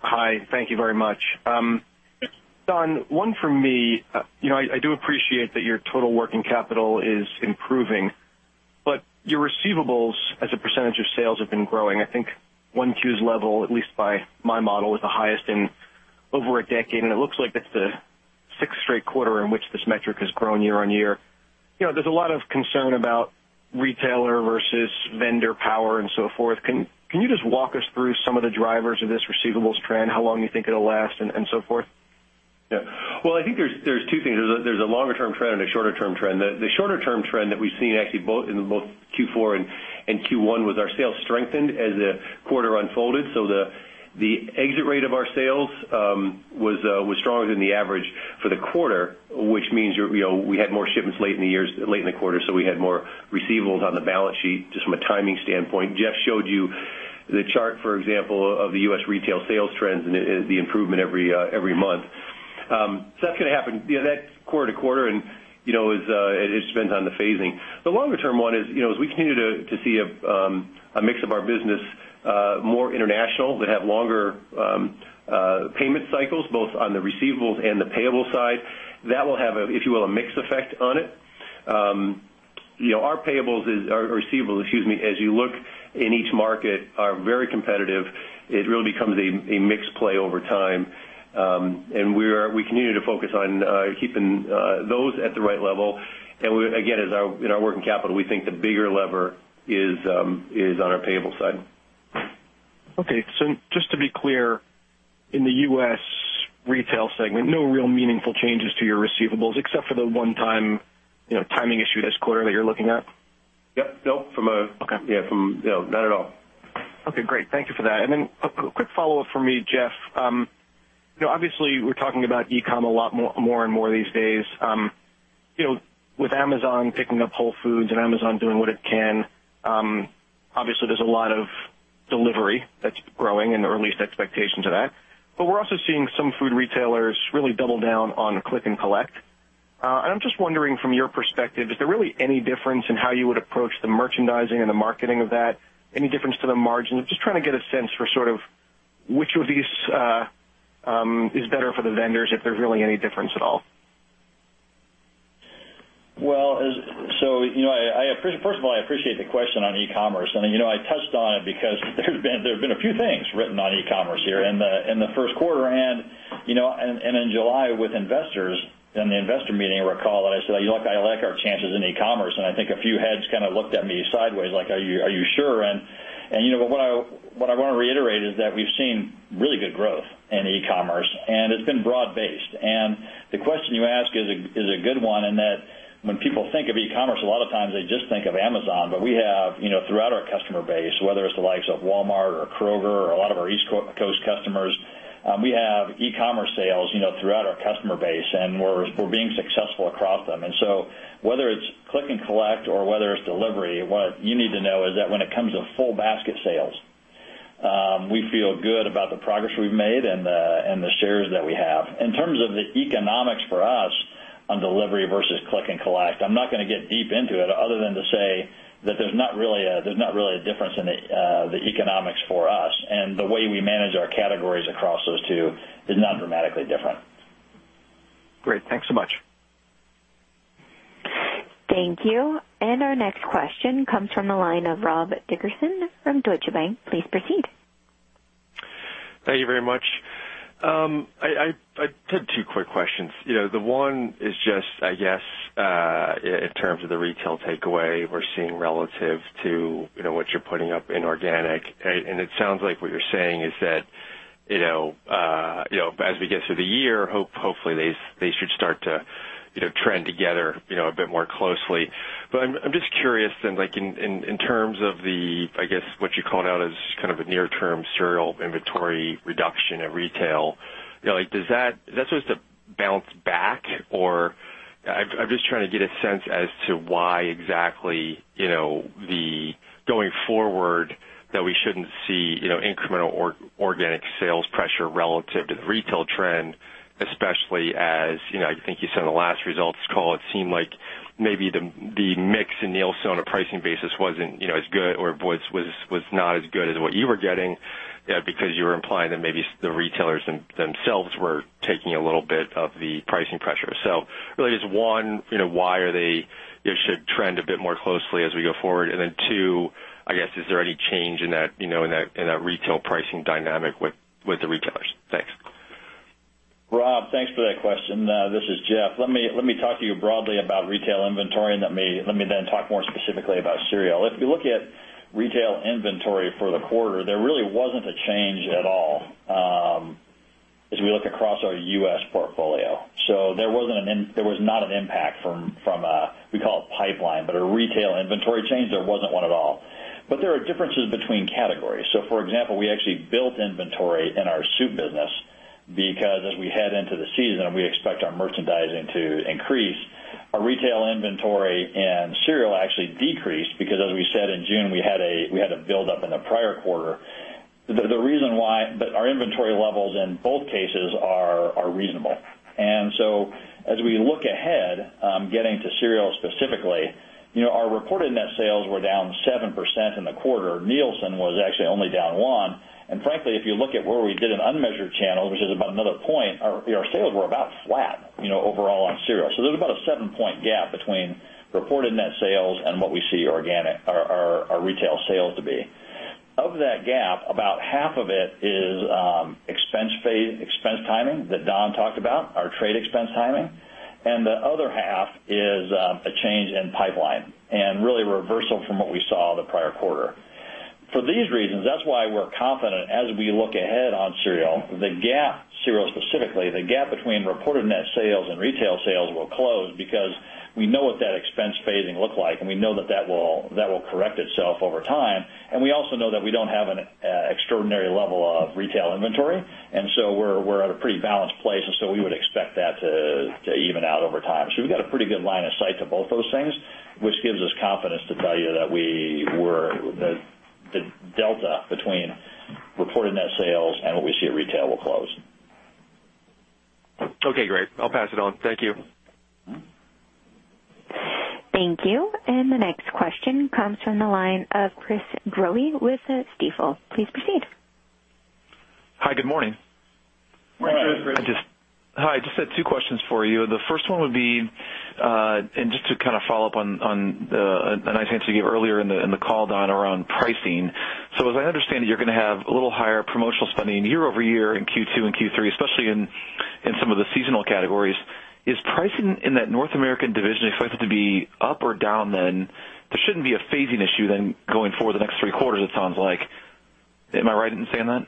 Hi. Thank you very much. Don, one for me. I do appreciate that your total working capital is improving, your receivables as a percentage of sales have been growing. I think 1Q's level, at least by my model, is the highest in over a decade, and it looks like it's the sixth straight quarter in which this metric has grown year-on-year. There's a lot of concern about retailer versus vendor power and so forth. Can you just walk us through some of the drivers of this receivables trend, how long you think it'll last and so forth? Yeah. Well, I think there's two things. There's a longer-term trend and a shorter-term trend. The shorter-term trend that we've seen actually in both Q4 and Q1 was our sales strengthened as the quarter unfolded. The exit rate of our sales was stronger than the average for the quarter, which means we had more shipments late in the quarter, so we had more receivables on the balance sheet just from a timing standpoint. Jeff showed you the chart, for example, of the U.S. retail sales trends and the improvement every month. That's going to happen that quarter to quarter and it just depends on the phasing. The longer-term one is as we continue to see a mix of our business more international, that have longer payment cycles both on the receivables and the payable side. That will have, if you will, a mix effect on it. Our receivables, as you look in each market, are very competitive. It really becomes a mix play over time. We continue to focus on keeping those at the right level. Again, in our working capital, we think the bigger lever is on our payable side. Okay. Just to be clear, in the U.S. retail segment, no real meaningful changes to your receivables except for the one-time timing issue this quarter that you're looking at? Yep. Nope. Okay. Yeah, not at all. Okay, great. Thank you for that. Then a quick follow-up from me, Jeff. Obviously, we're talking about e-com a lot more and more these days. With Amazon picking up Whole Foods and Amazon doing what it can, obviously there's a lot of delivery that's growing, or at least expectations of that. We're also seeing some food retailers really double down on click and collect. I'm just wondering from your perspective, is there really any difference in how you would approach the merchandising and the marketing of that? Any difference to the margin? Just trying to get a sense for sort of which of these is better for the vendors, if there's really any difference at all. First of all, I appreciate the question on e-commerce. I touched on it because there have been a few things written on e-commerce here in the first quarter. In July with investors, in the investor meeting, recall that I said, "Look, I like our chances in e-commerce." I think a few heads kind of looked at me sideways like, "Are you sure?" What I want to reiterate is that we've seen really good growth in e-commerce, and it's been broad-based. The question you ask is a good one in that when people think of e-commerce, a lot of times they just think of Amazon. We have throughout our customer base, whether it's the likes of Walmart or Kroger or a lot of our East Coast customers, we have e-commerce sales throughout our customer base, and we're being successful across them. Whether it's click and collect or whether it's delivery, what you need to know is that when it comes to full basket sales, we feel good about the progress we've made and the shares that we have. In terms of the economics for us on delivery versus click and collect, I'm not going to get deep into it other than to say that there's not really a difference in the economics for us. The way we manage our categories across those two is not dramatically different. Great. Thanks so much. Thank you. Our next question comes from the line of Rob Dickerson from Deutsche Bank. Please proceed. Thank you very much. I have two quick questions. The one is just, in terms of the retail takeaway we're seeing relative to what you're putting up in organic. It sounds like what you're saying is that, as we get through the year, hopefully they should start to trend together a bit more closely. I'm just curious then, in terms of what you called out as kind of a near-term cereal inventory reduction at retail. Is that supposed to bounce back, or I'm just trying to get a sense as to why exactly, going forward that we shouldn't see incremental organic sales pressure relative to the retail trend especially as, I think you said in the last results call, it seemed like maybe the mix in Nielsen on a pricing basis wasn't as good or was not as good as what you were getting because you were implying that maybe the retailers themselves were taking a little bit of the pricing pressure. Really just, one, why should trend a bit more closely as we go forward? Two, is there any change in that retail pricing dynamic with the retailers? Thanks. Rob, thanks for that question. This is Jeff. Let me talk to you broadly about retail inventory and let me then talk more specifically about cereal. If you look at retail inventory for the quarter, there really wasn't a change at all as we look across our U.S. portfolio. There was not an impact from, we call it pipeline, but a retail inventory change, there wasn't one at all. There are differences between categories. For example, we actually built inventory in our soup business because as we head into the season, we expect our merchandising to increase. Our retail inventory and cereal actually decreased because as we said in June, we had a build-up in the prior quarter. Our inventory levels in both cases are reasonable. As we look ahead, getting to cereal specifically, our reported net sales were down 7% in the quarter. Nielsen was actually only down one. Frankly, if you look at where we did an unmeasured channel, which is about another point, our sales were about flat overall on cereal. There's about a seven-point gap between reported net sales and what we see our retail sales to be. Of that gap, about half of it is expense timing that Don talked about, our trade expense timing, and the other half is a change in pipeline, and really a reversal from what we saw the prior quarter. For these reasons, that's why we're confident as we look ahead on cereal, the gap, cereal specifically, the gap between reported net sales and retail sales will close because we know what that expense phasing looked like, and we know that will correct itself over time. We also know that we don't have an extraordinary level of retail inventory, we're at a pretty balanced place, we would expect that to even out over time. We've got a pretty good line of sight to both those things, which gives us confidence to tell you that the delta between reported net sales and what we see at retail will close. Okay, great. I'll pass it on. Thank you. Thank you. The next question comes from the line of Chris Growe with Stifel. Please proceed. Hi, good morning. Morning, Chris. Morning. Hi, just had two questions for you. Just to follow up on a nice answer you gave earlier in the call, Don, around pricing. As I understand it, you're going to have a little higher promotional spending year-over-year in Q2 and Q3, especially in some of the seasonal categories. Is pricing in that North American division expected to be up or down? There shouldn't be a phasing issue going forward the next three quarters, it sounds like. Am I right in saying that?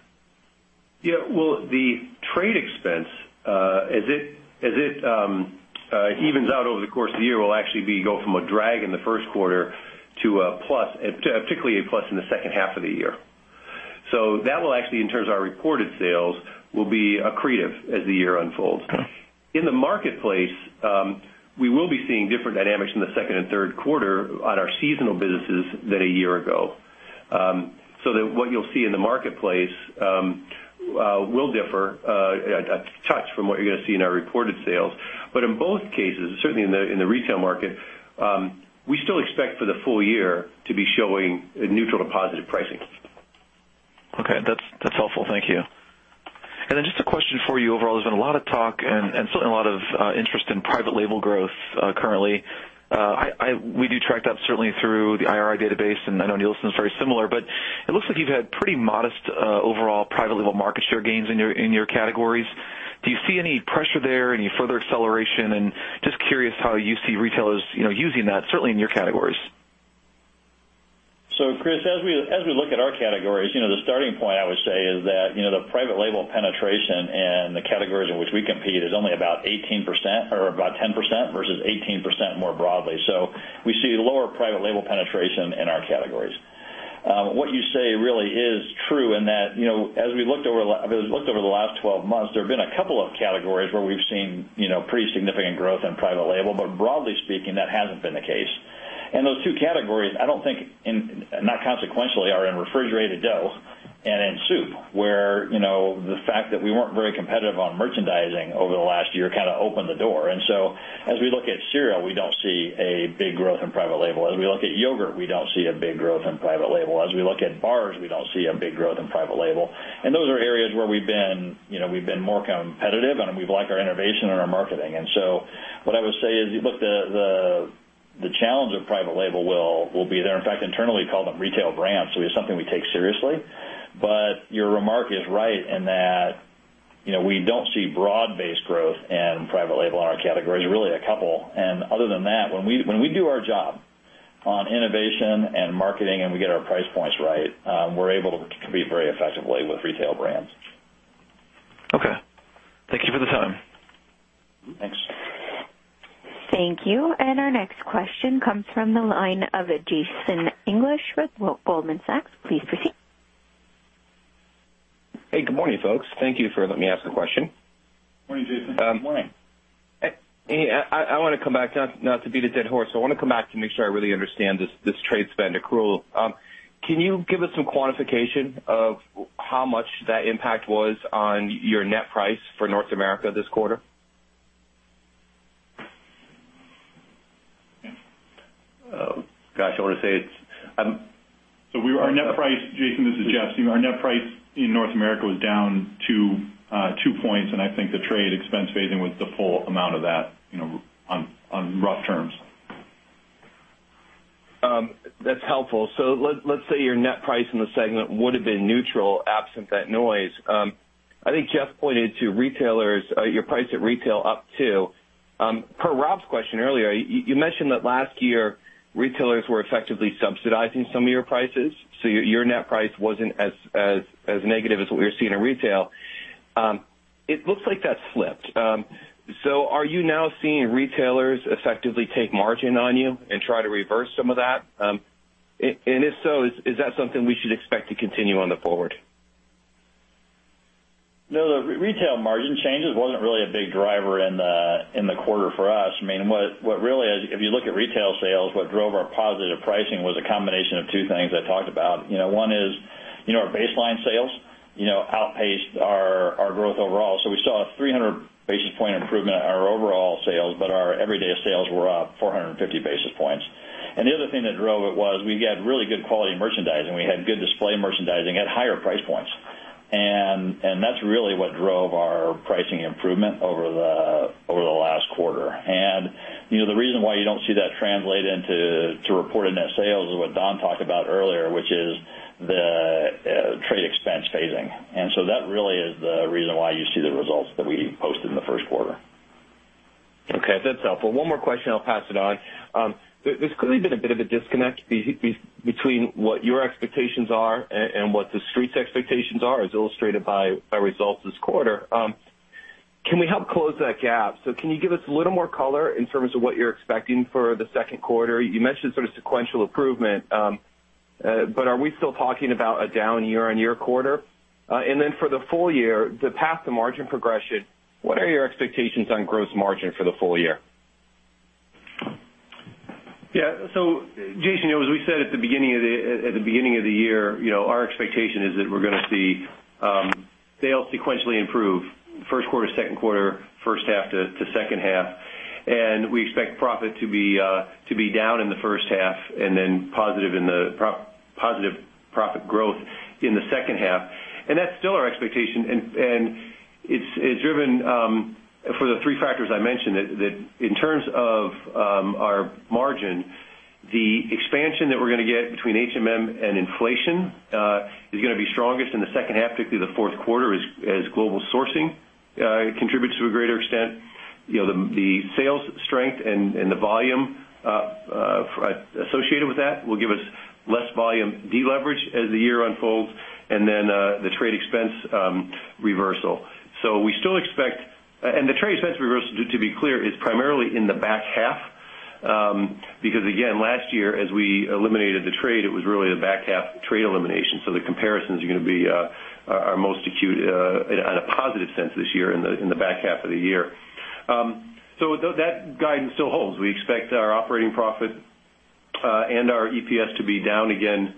Well, the trade expense, as it evens out over the course of the year, will actually go from a drag in the first quarter to a plus, particularly a plus in the second half of the year. That will actually, in terms of our reported sales, will be accretive as the year unfolds. In the marketplace, we will be seeing different dynamics in the second and third quarter on our seasonal businesses than a year ago. That what you'll see in the marketplace will differ a touch from what you're going to see in our reported sales. In both cases, certainly in the retail market, we still expect for the full year to be showing neutral to positive pricing. Okay. That's helpful. Thank you. Just a question for you overall, there's been a lot of talk and certainly a lot of interest in private label growth currently. We do track that certainly through the IRI database, and I know Nielsen is very similar, but it looks like you've had pretty modest overall private label market share gains in your categories. Do you see any pressure there, any further acceleration? Just curious how you see retailers using that, certainly in your categories. Chris, as we look at our categories, the starting point I would say is that, the private label penetration and the categories in which we compete is only about 10% versus 18% more broadly. We see lower private label penetration in our categories. What you say really is true in that, as we looked over the last 12 months, there have been a couple of categories where we've seen pretty significant growth in private label. Broadly speaking, that hasn't been the case. Those two categories, I don't think, not consequentially, are in refrigerated dough and in soup, where the fact that we weren't very competitive on merchandising over the last year kind of opened the door. As we look at cereal, we don't see a big growth in private label. As we look at yogurt, we don't see a big growth in private label. As we look at bars, we don't see a big growth in private label. Those are areas where we've been more competitive, and we've liked our innovation and our marketing. What I would say is, look, the challenge of private label will be there. In fact, internally, we call them retail brands, so it's something we take seriously. Your remark is right in that we don't see broad-based growth in private label in our categories. There's really a couple. Other than that, when we do our job on innovation and marketing and we get our price points right, we're able to compete very effectively with retail brands. Okay. Thank you for the time. Thanks. Thank you. Our next question comes from the line of Jason English with Goldman Sachs. Please proceed. Hey, good morning, folks. Thank you for letting me ask a question. Morning, Jason. Good morning. I want to come back, not to beat a dead horse, I want to come back to make sure I really understand this trade spend accrual. Can you give us some quantification of how much that impact was on your net price for North America this quarter? Gosh, I want to say it's-- Our net price, Jason, this is Jeff. Our net price in North America was down two points, and I think the trade expense phasing was the full amount of that on rough terms. That's helpful. Let's say your net price in the segment would have been neutral absent that noise. I think Jeff pointed to your price at retail up too. Per Rob's question earlier, you mentioned that last year, retailers were effectively subsidizing some of your prices, so your net price wasn't as negative as what we were seeing in retail. It looks like that's flipped. Are you now seeing retailers effectively take margin on you and try to reverse some of that? If so, is that something we should expect to continue on the forward? No, the retail margin changes wasn't really a big driver in the quarter for us. If you look at retail sales, what drove our positive pricing was a combination of two things I talked about. One is our baseline sales outpaced our growth overall. We saw a 300 basis point improvement in our overall sales, but our everyday sales were up 450 basis points. The other thing that drove it was we had really good quality merchandising. We had good display merchandising at higher price points. That's really what drove our pricing improvement over the last quarter. The reason why you don't see that translate into reported net sales is what Don talked about earlier, which is the trade expense phasing. That really is the reason why you see the results that we posted in the first quarter. Okay, that's helpful. One more question, I'll pass it on. There's clearly been a bit of a disconnect between what your expectations are and what the street's expectations are, as illustrated by results this quarter. Can we help close that gap? Can you give us a little more color in terms of what you're expecting for the second quarter? You mentioned sort of sequential improvement, but are we still talking about a down year-over-year quarter? Then for the full year, the path to margin progression, what are your expectations on gross margin for the full year? Yeah. Jason, as we said at the beginning of the year, our expectation is that we're going to see sales sequentially improve first quarter, second quarter, first half to second half. We expect profit to be down in the first half, then positive profit growth in the second half. That's still our expectation. It's driven for the three factors I mentioned, that in terms of our margin, the expansion that we're going to get between HMM and inflation is going to be strongest in the second half, particularly the fourth quarter as global sourcing contributes to a greater extent. The sales strength and the volume associated with that will give us less volume deleverage as the year unfolds, then the trade expense reversal. The trade expense reversal, to be clear, is primarily in the back half because again, last year as we eliminated the trade, it was really the back half trade elimination, the comparisons are most acute on a positive sense this year in the back half of the year. That guidance still holds. We expect our operating profit and our EPS to be down again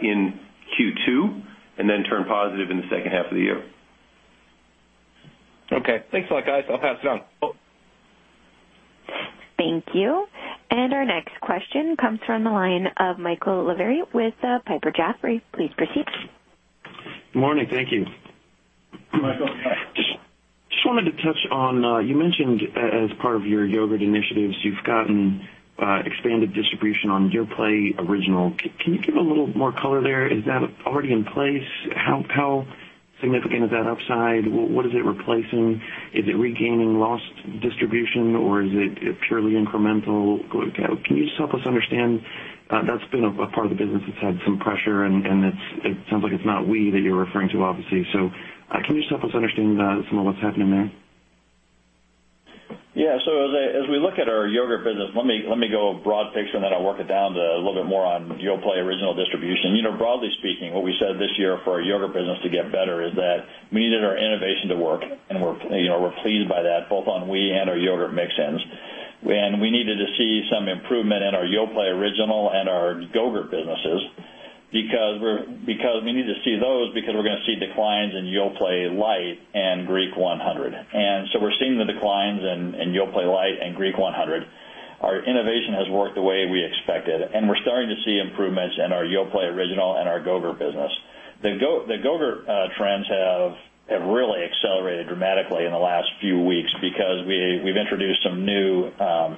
in Q2, turn positive in the second half of the year. Okay. Thanks a lot, guys. I'll pass it on. Thank you. Our next question comes from the line of Michael Lavery with Piper Jaffray. Please proceed. Good morning. Thank you. Michael, hi. Just wanted to touch on, you mentioned as part of your yogurt initiatives, you've gotten expanded distribution on Yoplait Original. Can you give a little more color there? Is that already in place? How significant is that upside? What is it replacing? Is it regaining lost distribution or is it purely incremental? Can you just help us understand? That's been a part of the business that's had some pressure and it sounds like it's not Oui that you're referring to, obviously. Can you just help us understand some of what's happening there? Yeah. As we look at our yogurt business, let me go broad picture and then I'll work it down to a little bit more on Yoplait Original distribution. Broadly speaking, what we said this year for our yogurt business to get better is that we needed our innovation to work, and we're pleased by that, both on Oui and our Yoplait Mix-Ins. We needed to see some improvement in our Yoplait Original and our Go-Gurt businesses. We need to see those because we're going to see declines in Yoplait Light and Greek 100. We're seeing the declines in Yoplait Light and Greek 100. Our innovation has worked the way we expected, and we're starting to see improvements in our Yoplait Original and our Go-Gurt business. The Go-Gurt trends have really accelerated dramatically in the last few weeks because we've introduced some new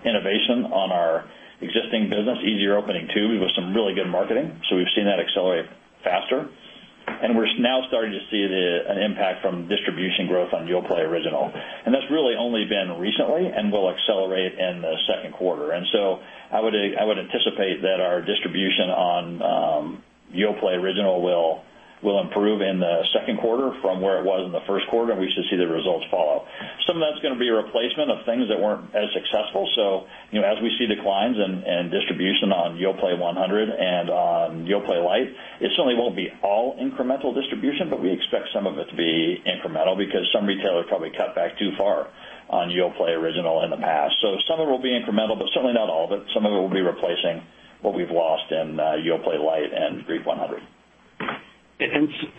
innovation on our existing business, easier opening, too, with some really good marketing. We've seen that accelerate faster. We're now starting to see an impact from distribution growth on Yoplait Original. That's really only been recently and will accelerate in the second quarter. I would anticipate that our distribution on Yoplait Original will improve in the second quarter from where it was in the first quarter, and we should see the results follow. Some of that's going to be replacement of things that weren't as successful. As we see declines in distribution on Yoplait 100 and on Yoplait Light, it certainly won't be all incremental distribution, but we expect some of it to be incremental because some retailers probably cut back too far on Yoplait Original in the past. Some of it will be incremental, but certainly not all of it. Some of it will be replacing what we've lost in Yoplait Light and Greek 100. Is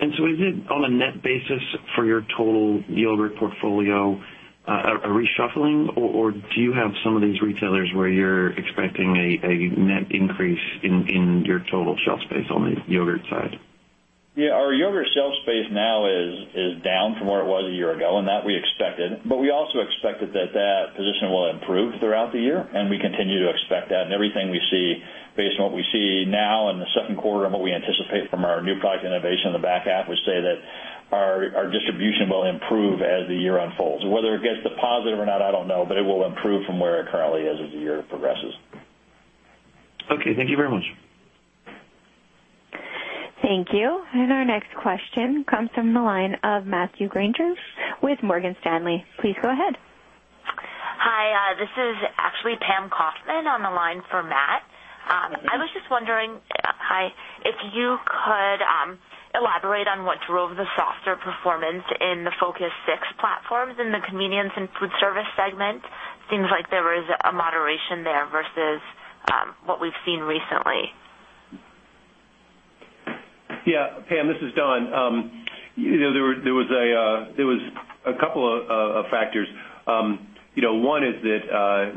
it on a net basis for your total yogurt portfolio a reshuffling, or do you have some of these retailers where you're expecting a net increase in your total shelf space on the yogurt side? Our yogurt shelf space now is down from where it was a year ago, and that we expected, but we also expected that position will improve throughout the year, and we continue to expect that. Everything we see based on what we see now in the second quarter and what we anticipate from our new product innovation in the back half would say that our distribution will improve as the year unfolds. Whether it gets to positive or not, I don't know, but it will improve from where it currently is as the year progresses. Okay, thank you very much. Thank you. Our next question comes from the line of Matthew Grainger with Morgan Stanley. Please go ahead. Hi, this is actually Pamela Kaufman on the line for Matt. I was just wondering, hi, if you could elaborate on what drove the softer performance in the Focus 6 platforms in the Convenience & Foodservice segment. Seems like there was a moderation there versus what we've seen recently. Yeah. Pam, this is Don. There was a couple of factors. One is that,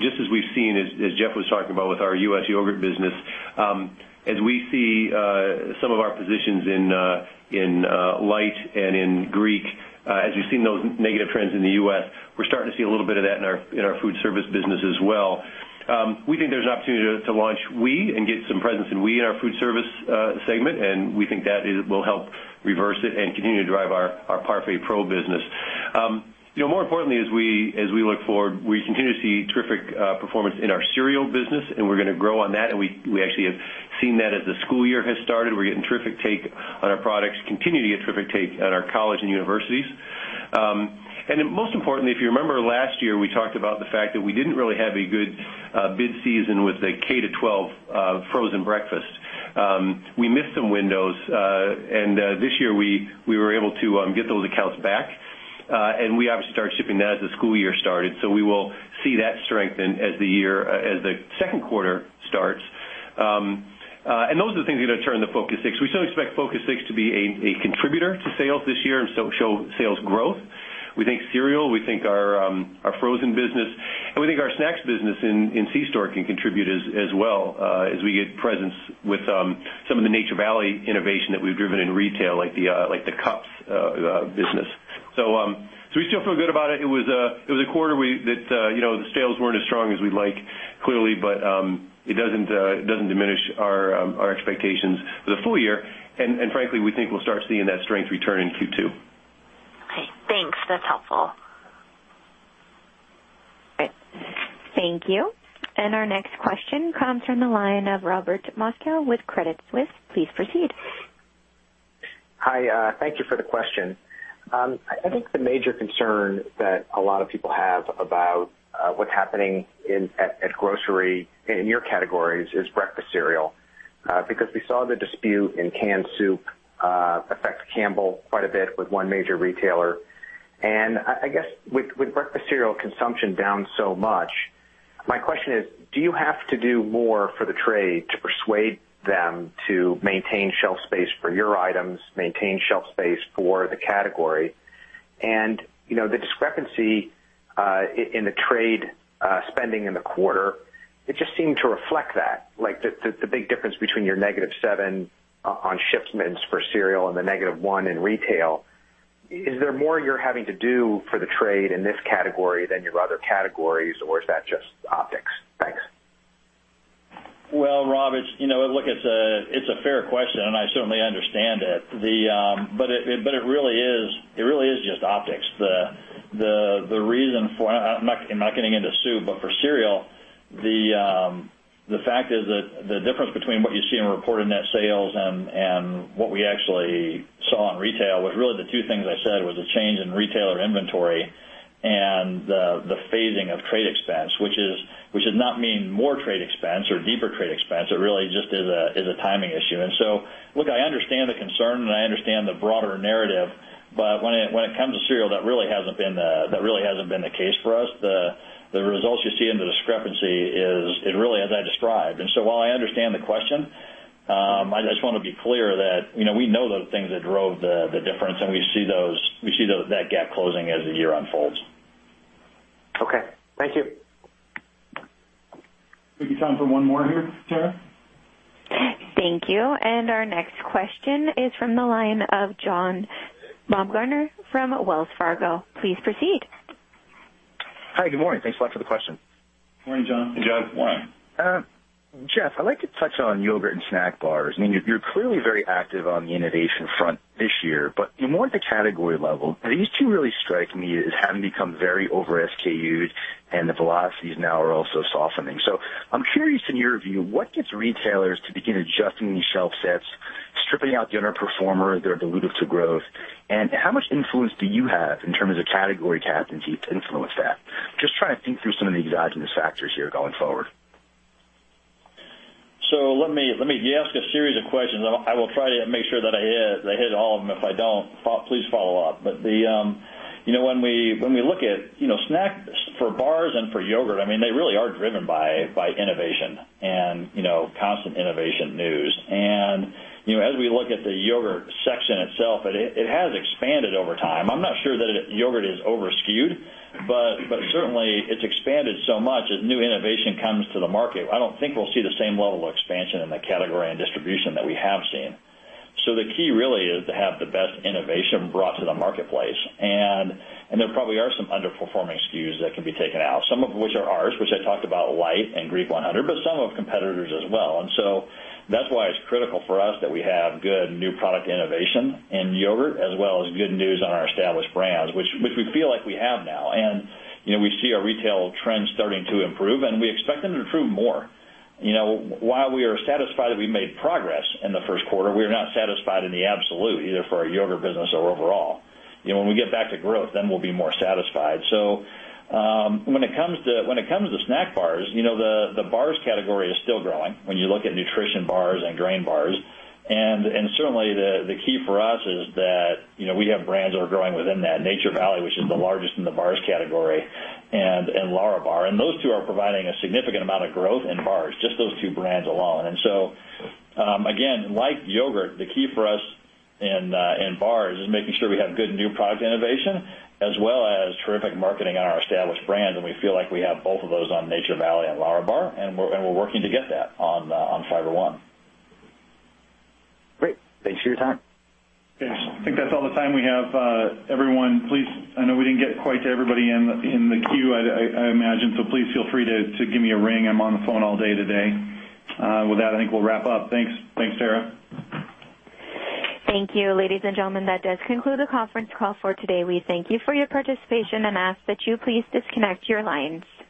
just as we've seen, as Jeff was talking about with our U.S. yogurt business, as we see some of our positions in Light and in Greek, as we've seen those negative trends in the U.S., we're starting to see a little bit of that in our Foodservice business as well. We think there's an opportunity to launch Oui and get some presence in Oui in our Foodservice segment, and we think that will help reverse it and continue to drive our ParfaitPro business. More importantly, as we look forward, we continue to see terrific performance in our cereal business, and we're going to grow on that. We actually have seen that as the school year has started. We're getting terrific take on our products, continue to get terrific take at our college and universities. Most importantly, if you remember last year, we talked about the fact that we didn't really have a good bid season with the K-12 frozen breakfast. We missed some windows, this year we were able to get those accounts back. We obviously started shipping that as the school year started. We will see that strengthen as the second quarter starts. Those are the things that are gonna turn the Focus 6. We still expect Focus 6 to be a contributor to sales this year and show sales growth. We think cereal, we think our frozen business, and we think our snacks business in C-store can contribute as well, as we get presence with some of the Nature Valley innovation that we've driven in retail, like the cups business. We still feel good about it. It was a quarter that the sales weren't as strong as we'd like, clearly, it doesn't diminish our expectations for the full year. Frankly, we think we'll start seeing that strength return in Q2. Okay, thanks. That's helpful. Great. Thank you. Our next question comes from the line of Robert Moskow with Credit Suisse. Please proceed. Hi, thank you for the question. I think the major concern that a lot of people have about what's happening at grocery in your categories is breakfast cereal because we saw the dispute in canned soup affect Campbell quite a bit with one major retailer. I guess with breakfast cereal consumption down so much, my question is, do you have to do more for the trade to persuade them to maintain shelf space for your items, maintain shelf space for the category? The discrepancy in the trade spending in the quarter, it just seemed to reflect that. Like, the big difference between your negative seven on shipments for cereal and the negative one in retail. Is there more you're having to do for the trade in this category than your other categories, or is that just optics? Thanks. Well, Rob, look, it's a fair question, and I certainly understand it. It really is just optics. I'm not getting into soup, but for cereal, the fact is that the difference between what you see in reported net sales and what we actually saw in retail was really the two things I said was a change in retailer inventory and the phasing of trade expense, which does not mean more trade expense or deeper trade expense. It really just is a timing issue. Look, I understand the concern, and I understand the broader narrative, when it comes to cereal, that really hasn't been the case for us. The results you see and the discrepancy is really as I described. While I understand the question, I just want to be clear that we know the things that drove the difference, and we see that gap closing as the year unfolds. Okay. Thank you. We can time for one more here, Tara? Thank you. Our next question is from the line of John Baumgartner from Wells Fargo. Please proceed. Hi, good morning. Thanks a lot for the question. Morning, John. Hey, John. Morning. Jeff, I'd like to touch on yogurt and snack bars. I mean, you're clearly very active on the innovation front this year, but more at the category level, these two really strike me as having become very over SKUed, and the velocities now are also softening. I'm curious, in your view, what gets retailers to begin adjusting these shelf sets, stripping out the underperformers that are dilutive to growth, and how much influence do you have in terms of category captaincy to influence that? Just trying to think through some of the exogenous factors here going forward. You ask a series of questions. I will try to make sure that I hit all of them. If I don't, please follow up. When we look at snacks for bars and for yogurt, I mean, they really are driven by innovation and constant innovation news. As we look at the yogurt section itself, it has expanded over time. I'm not sure that yogurt is over-SKUed, but certainly it's expanded so much as new innovation comes to the market. I don't think we'll see the same level of expansion in the category and distribution that we have seen. The key really is to have the best innovation brought to the marketplace, and there probably are some underperforming SKUs that can be taken out, some of which are ours, which I talked about, Light and Greek 100, but some of competitors as well. That's why it's critical for us that we have good new product innovation in yogurt as well as good news on our established brands, which we feel like we have now. We see our retail trends starting to improve, and we expect them to improve more. While we are satisfied that we made progress in the first quarter, we are not satisfied in the absolute, either for our yogurt business or overall. When we get back to growth, then we'll be more satisfied. When it comes to snack bars, the bars category is still growing when you look at nutrition bars and grain bars. Certainly, the key for us is that we have brands that are growing within that. Nature Valley, which is the largest in the bars category, and Lärabar. Those two are providing a significant amount of growth in bars, just those two brands alone. Again, like yogurt, the key for us in bars is making sure we have good new product innovation as well as terrific marketing on our established brands, and we feel like we have both of those on Nature Valley and Lärabar, and we're working to get that on Fiber One. Great. Thanks for your time. Thanks. I think that's all the time we have. Everyone, please, I know we didn't get quite to everybody in the queue, I imagine, so please feel free to give me a ring. I'm on the phone all day today. With that, I think we'll wrap up. Thanks, Tara. Thank you. Ladies and gentlemen, that does conclude the conference call for today. We thank you for your participation and ask that you please disconnect your lines.